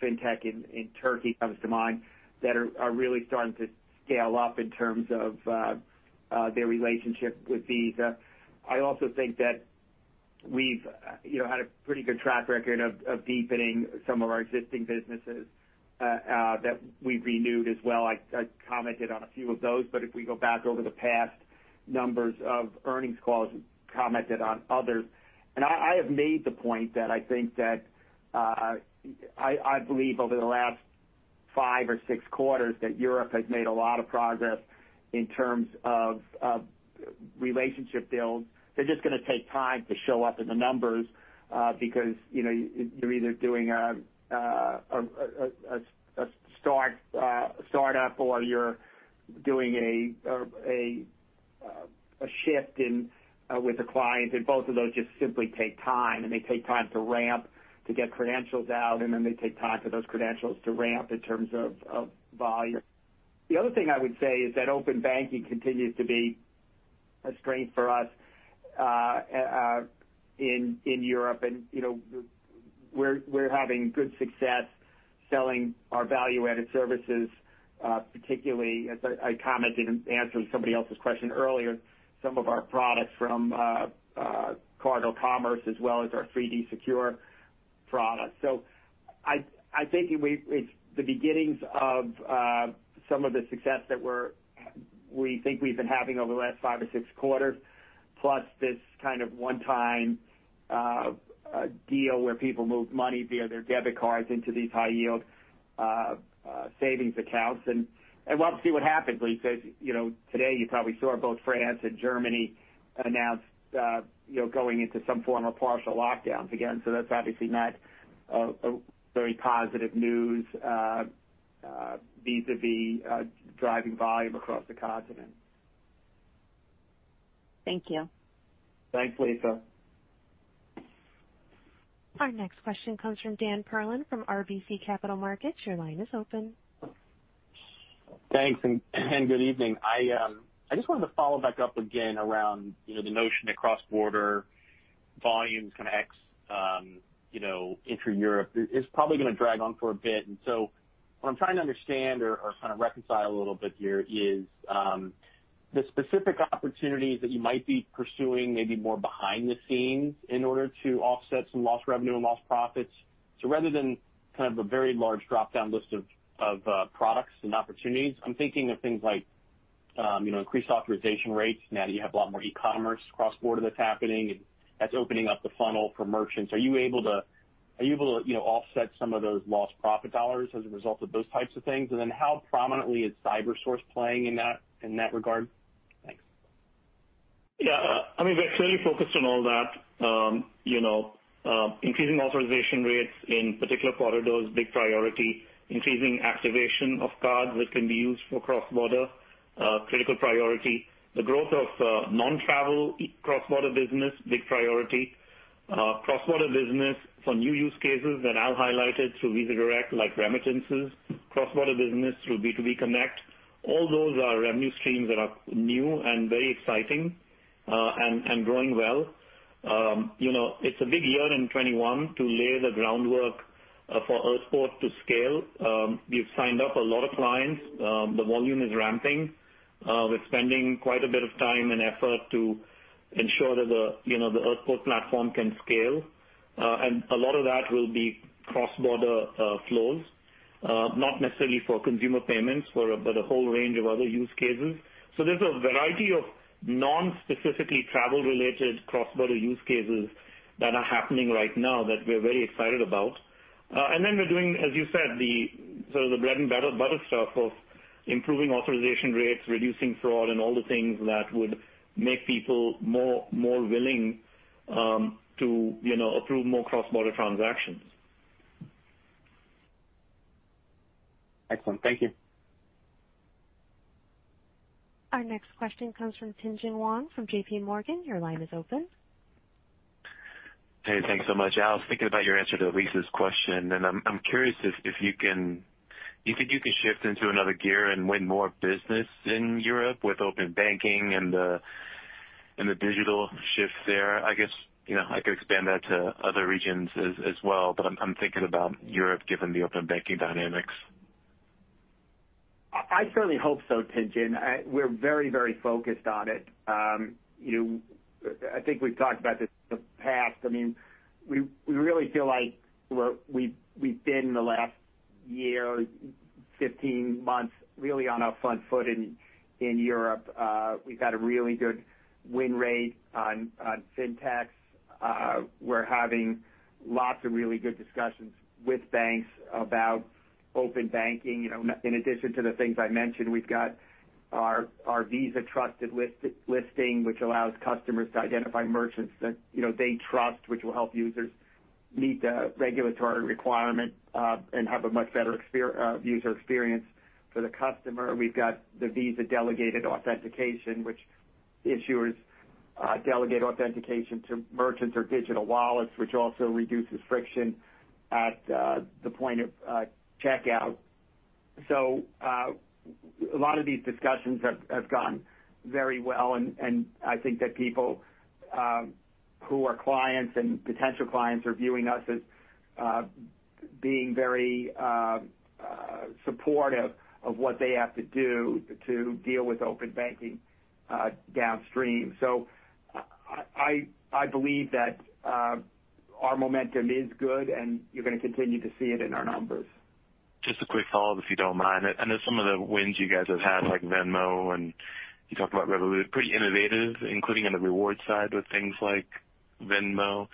Fintech in Turkey comes to mind, that are really starting to scale up in terms of their relationship with Visa. I also think that we've had a pretty good track record of deepening some of our existing businesses that we've renewed as well. I commented on a few of those, but if we go back over the past numbers of earnings calls, we've commented on others. I have made the point that I think that I believe over the last five or six quarters that Europe has made a lot of progress in terms of relationship build. They're just going to take time to show up in the numbers because you're either doing a startup or you're doing a shift with a client, and both of those just simply take time. They take time to ramp to get credentials out, and then they take time for those credentials to ramp in terms of volume. The other thing I would say is that open banking continues to be a strength for us in Europe, and we're having good success selling our value-added services, particularly, as I commented in answering somebody else's question earlier, some of our products from CardinalCommerce as well as our 3D Secure products. I think it's the beginnings of some of the success that we think we've been having over the last five or six quarters, plus this kind of one-time deal where people move money via their debit cards into these high yield savings accounts. We'll have to see what happens, Lisa. Today you probably saw both France and Germany announce going into some form of partial lockdowns again. That's obviously not a very positive news vis-a-vis driving volume across the continent. Thank you. Thanks, Lisa. Our next question comes from Dan Perlin from RBC Capital Markets. Your line is open. Thanks, good evening. I just wanted to follow back up again around the notion that cross-border volumes kind of intra-Europe is probably going to drag on for a bit. What I'm trying to understand or kind of reconcile a little bit here is the specific opportunities that you might be pursuing maybe more behind the scenes in order to offset some lost revenue and lost profits. Rather than kind of a very large drop-down list of products and opportunities, I'm thinking of things like increased authorization rates now that you have a lot more e-commerce cross-border that's happening, and that's opening up the funnel for merchants. Are you able to offset some of those lost profit dollars as a result of those types of things? How prominently is CyberSource playing in that regard? Thanks. Yeah. We're clearly focused on all that. Increasing authorization rates in particular corridors, big priority. Increasing activation of cards that can be used for cross-border, critical priority. The growth of non-travel cross-border business, big priority. Cross-border business for new use cases that Al highlighted through Visa Direct, like remittances. Cross-border business through B2B Connect. All those are revenue streams that are new and very exciting, and growing well. It's a big year in 2021 to lay the groundwork for Earthport to scale, we've signed up a lot of clients. The volume is ramping. We're spending quite a bit of time and effort to ensure that the Earthport platform can scale. A lot of that will be cross-border flows, not necessarily for consumer payments, but a whole range of other use cases. There's a variety of non-specifically travel-related cross-border use cases that are happening right now that we're very excited about. We're doing, as you said, the sort of the bread-and-butter stuff of improving authorization rates, reducing fraud, and all the things that would make people more willing to approve more cross-border transactions. Excellent. Thank you. Our next question comes from Tien-Tsin Huang from JPMorgan. Your line is open. Hey, thanks so much. Al, I was thinking about your answer to Lisa's question, and I'm curious if you think you can shift into another gear and win more business in Europe with open banking and the digital shift there. I guess I could expand that to other regions as well, but I'm thinking about Europe, given the open banking dynamics. I certainly hope so, Tien-Tsin. We're very focused on it. I think we've talked about this in the past. We really feel like we've been, in the last year, 15 months, really on our front foot in Europe. We've had a really good win rate on fintechs. We're having lots of really good discussions with banks about open banking. In addition to the things I mentioned, we've got our Visa Trusted Listing, which allows customers to identify merchants that they trust, which will help users meet the regulatory requirement and have a much better user experience for the customer. We've got the Visa Delegated Authentication, which issuers delegate authentication to merchants or digital wallets, which also reduces friction at the point of checkout. A lot of these discussions have gone very well, and I think that people who are clients and potential clients are viewing us as being very supportive of what they have to do to deal with open banking downstream. I believe that our momentum is good, and you're going to continue to see it in our numbers. Just a quick follow-up, if you don't mind. I know some of the wins you guys have had, like Venmo, and you talked about Revolut, pretty innovative, including on the rewards side with things like Venmo.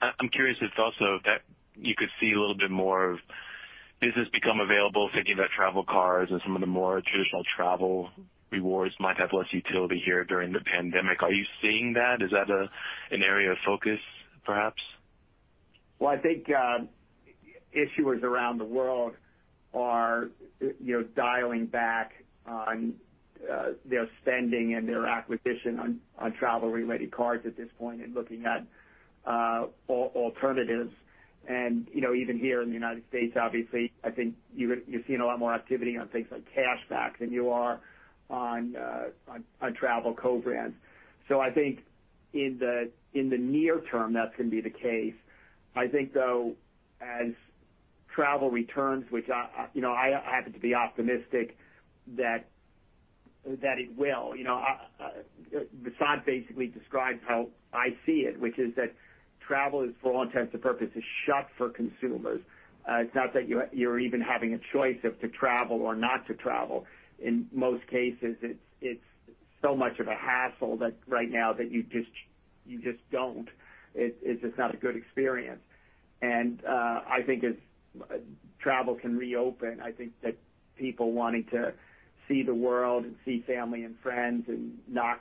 I'm curious if also that you could see a little bit more of business become available, thinking about travel cards and some of the more traditional travel rewards might have less utility here during the pandemic. Are you seeing that? Is that an area of focus, perhaps? Well, I think issuers around the world are dialing back on their spending and their acquisition on travel-related cards at this point and looking at alternatives. Even here in the United States, obviously, I think you're seeing a lot more activity on things like cash back than you are on travel co-brands. I think in the near term, that's going to be the case. I think, though, as travel returns, which I happen to be optimistic that it will. Vasant basically describes how I see it, which is that travel is, for all intents and purposes, shut for consumers. It's not that you're even having a choice of to travel or not to travel. In most cases, it's so much of a hassle that right now that you just don't. It's just not a good experience. I think as travel can reopen, I think that people wanting to see the world and see family and friends and knock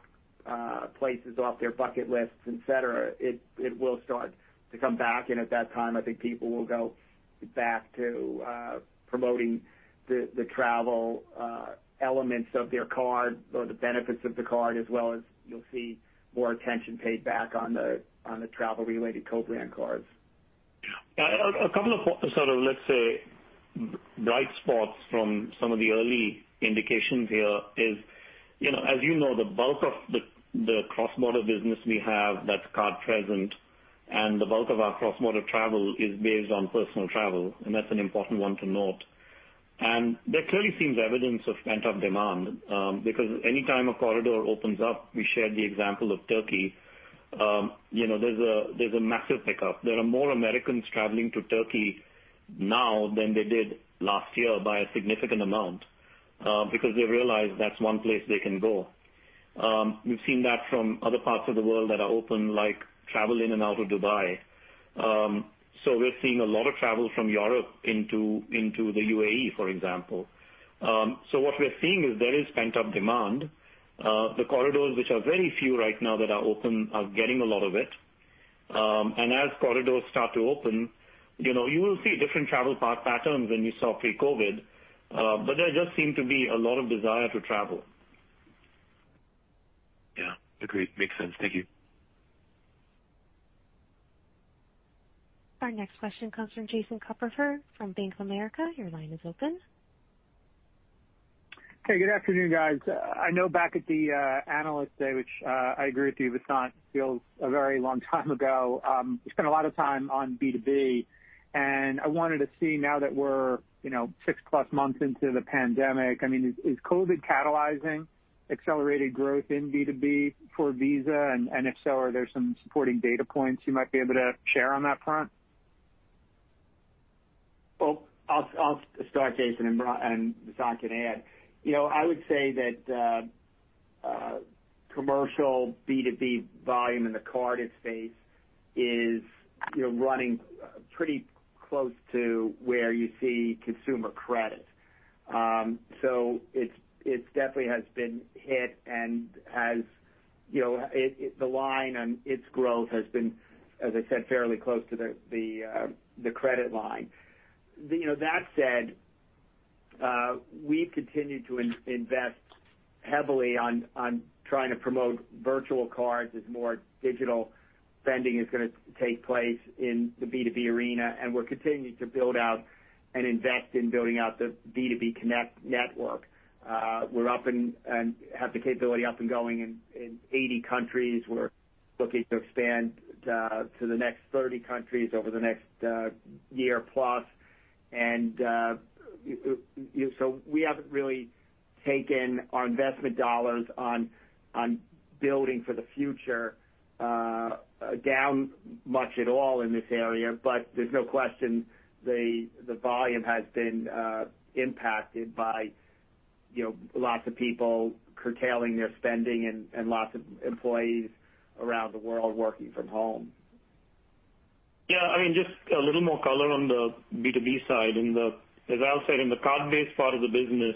places off their bucket lists, et cetera, it will start to come back. At that time, I think people will go back to promoting the travel elements of their card or the benefits of the card, as well as you will see more attention paid back on the travel-related co-brand cards. A couple of, let's say, bright spots from some of the early indications here is, as you know, the bulk of the cross-border business we have that's card-present and the bulk of our cross-border travel is based on personal travel. That's an important one to note. There clearly seems evidence of pent-up demand because anytime a corridor opens up, we shared the example of Turkey, there's a massive pickup. There are more Americans traveling to Turkey now than they did last year by a significant amount because they've realized that's one place they can go. We've seen that from other parts of the world that are open, like travel in and out of Dubai. We're seeing a lot of travel from Europe into the UAE, for example. What we're seeing is there is pent-up demand. The corridors, which are very few right now that are open, are getting a lot of it. As corridors start to open, you will see different travel patterns than you saw pre-COVID, but there just seem to be a lot of desire to travel. Yeah, agreed. Makes sense. Thank you. Our next question comes from Jason Kupferberg from Bank of America. Your line is open. Hey, good afternoon, guys. I know back at the analyst day, which I agree with you, Vasant, feels a very long time ago. We spent a lot of time on B2B, and I wanted to see now that we're six-plus months into the pandemic, is COVID catalyzing accelerated growth in B2B for Visa? If so, are there some supporting data points you might be able to share on that front? Well, I'll start, Jason, and Vasant can add. I would say that commercial B2B volume in the card space is running pretty close to where you see consumer credit. It definitely has been hit, and the line on its growth has been, as I said, fairly close to the credit line. That said, we continue to invest heavily on trying to promote virtual cards as more digital spending is going to take place in the B2B arena, and we're continuing to build out and invest in building out the B2B Connect network. We have the capability up and going in 80 countries. We're looking to expand to the next 30 countries over the next year-plus. We haven't really taken our investment dollars on building for the future down much at all in this area. There's no question the volume has been impacted by lots of people curtailing their spending and lots of employees around the world working from home. Yeah. Just a little more color on the B2B side. As Al said, in the card-based part of the business,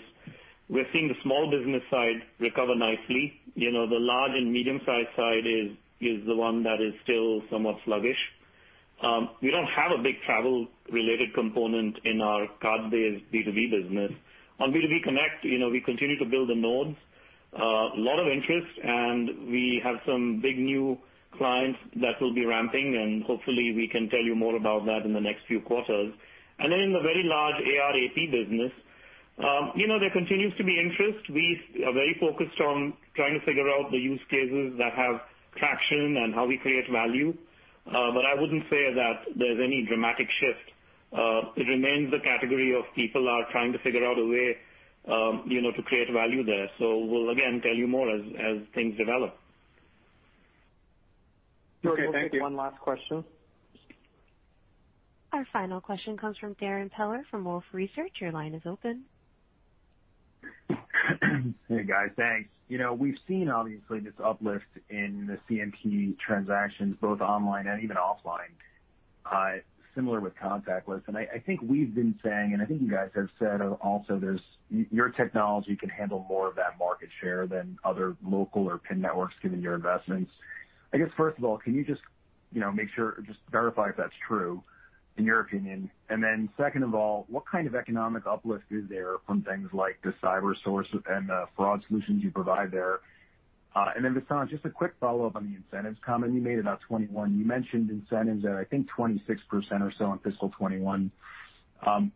we're seeing the small business side recover nicely. The large and medium-sized side is the one that is still somewhat sluggish. We don't have a big travel-related component in our card-based B2B business. On B2B Connect, we continue to build the nodes. Lot of interest, we have some big new clients that will be ramping, and hopefully we can tell you more about that in the next few quarters. In the very large AR/AP business, there continues to be interest. We are very focused on trying to figure out the use cases that have traction and how we create value. I wouldn't say that there's any dramatic shift. It remains a category of people are trying to figure out a way to create value there. We'll, again, tell you more as things develop. Okay. Thank you. We'll take one last question. Our final question comes from Darrin Peller from Wolfe Research. Your line is open. Hey, guys. Thanks. We've seen, obviously, this uplift in the CNP transactions, both online and even offline, similar with contactless. I think we've been saying, and I think you guys have said also, your technology can handle more of that market share than other local or PIN networks, given your investments. I guess, first of all, can you just verify if that's true in your opinion? Second of all, what kind of economic uplift is there from things like the CyberSource and the fraud solutions you provide there? Vasant, just a quick follow-up on the incentives comment you made about 2021. You mentioned incentives at, I think, 26% or so in fiscal 2021.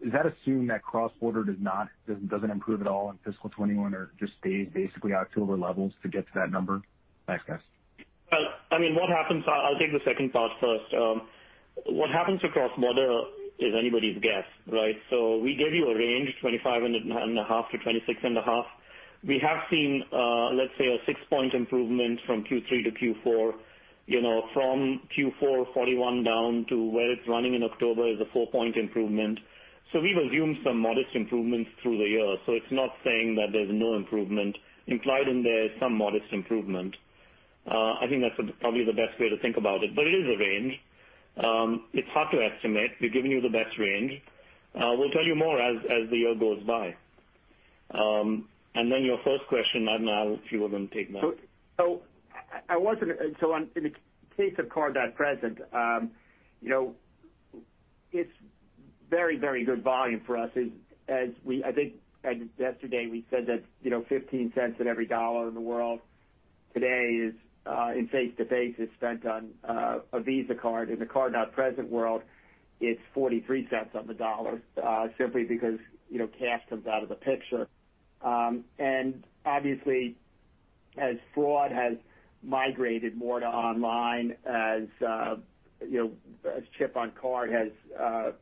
Is that assuming that cross-border doesn't improve at all in fiscal 2021 or just stays basically October levels to get to that number? Thanks, guys. I'll take the second part first. What happens to cross-border is anybody's guess, right? We gave you a range, 25.5%-26.5%. We have seen, let's say, a six point improvement from Q3 to Q4. From Q4 2021 down to where it's running in October is a four point improvement. We've assumed some modest improvements through the year. It's not saying that there's no improvement. Implied in there is some modest improvement. I think that's probably the best way to think about it. It is a range. It's hard to estimate. We've given you the best range. We'll tell you more as the year goes by. Your first question, I don't know if you want to take that. In the case of card-not-present, it's very good volume for us. I think yesterday we said that $0.15 of every dollar in the world today in face-to-face is spent on a Visa card. In the card-not-present world, it's $0.43 on the dollar, simply because cash comes out of the picture. Obviously, as fraud has migrated more to online, as chip on card has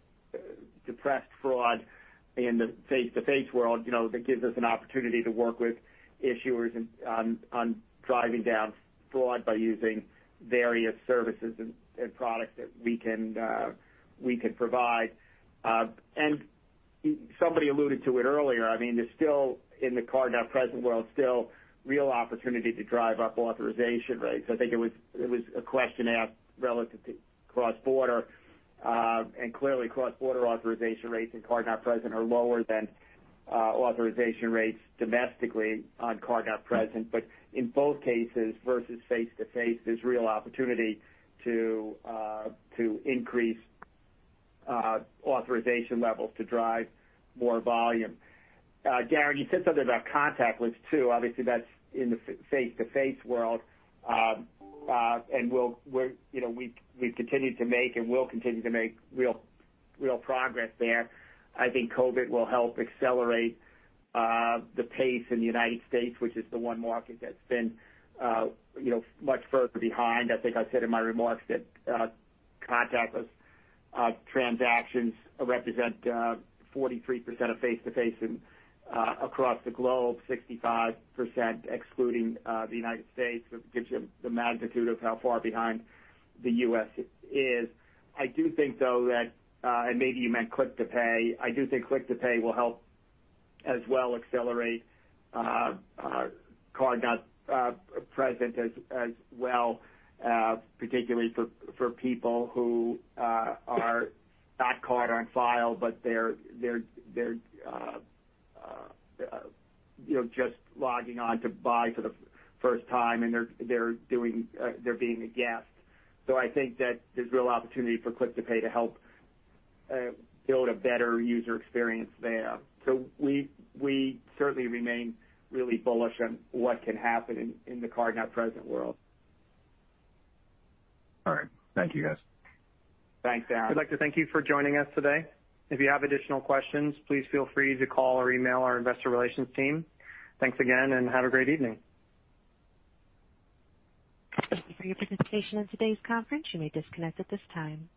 depressed fraud in the face-to-face world, that gives us an opportunity to work with issuers on driving down fraud by using various services and products that we can provide. Somebody alluded to it earlier, there's still, in the card-not-present world, still real opportunity to drive up authorization rates. I think it was a question asked relative to cross-border. Clearly, cross-border authorization rates in card-not-present are lower than authorization rates domestically on card-not-present. In both cases, versus face-to-face, there's real opportunity to increase authorization levels to drive more volume. Darrin, you said something about contactless too. Obviously, that's in the face-to-face world. We've continued to make and will continue to make real progress there. I think COVID will help accelerate the pace in the U.S., which is the one market that's been much further behind. I think I said in my remarks that contactless transactions represent 43% of face-to-face and across the globe, 65% excluding the U.S. It gives you the magnitude of how far behind the U.S. is. I do think, though, that, maybe you meant Click to Pay. I do think Click to Pay will help as well accelerate card-not-present as well, particularly for people who are not card on file, but they're just logging on to buy for the first time, and they're being a guest. I think that there's real opportunity for Click to Pay to help build a better user experience there. We certainly remain really bullish on what can happen in the card-not-present world. All right. Thank you, guys. Thanks, Darrin. We'd like to thank you for joining us today. If you have additional questions, please feel free to call or email our investor relations team. Thanks again, and have a great evening. Thank you for your participation in today's conference. You may disconnect at this time.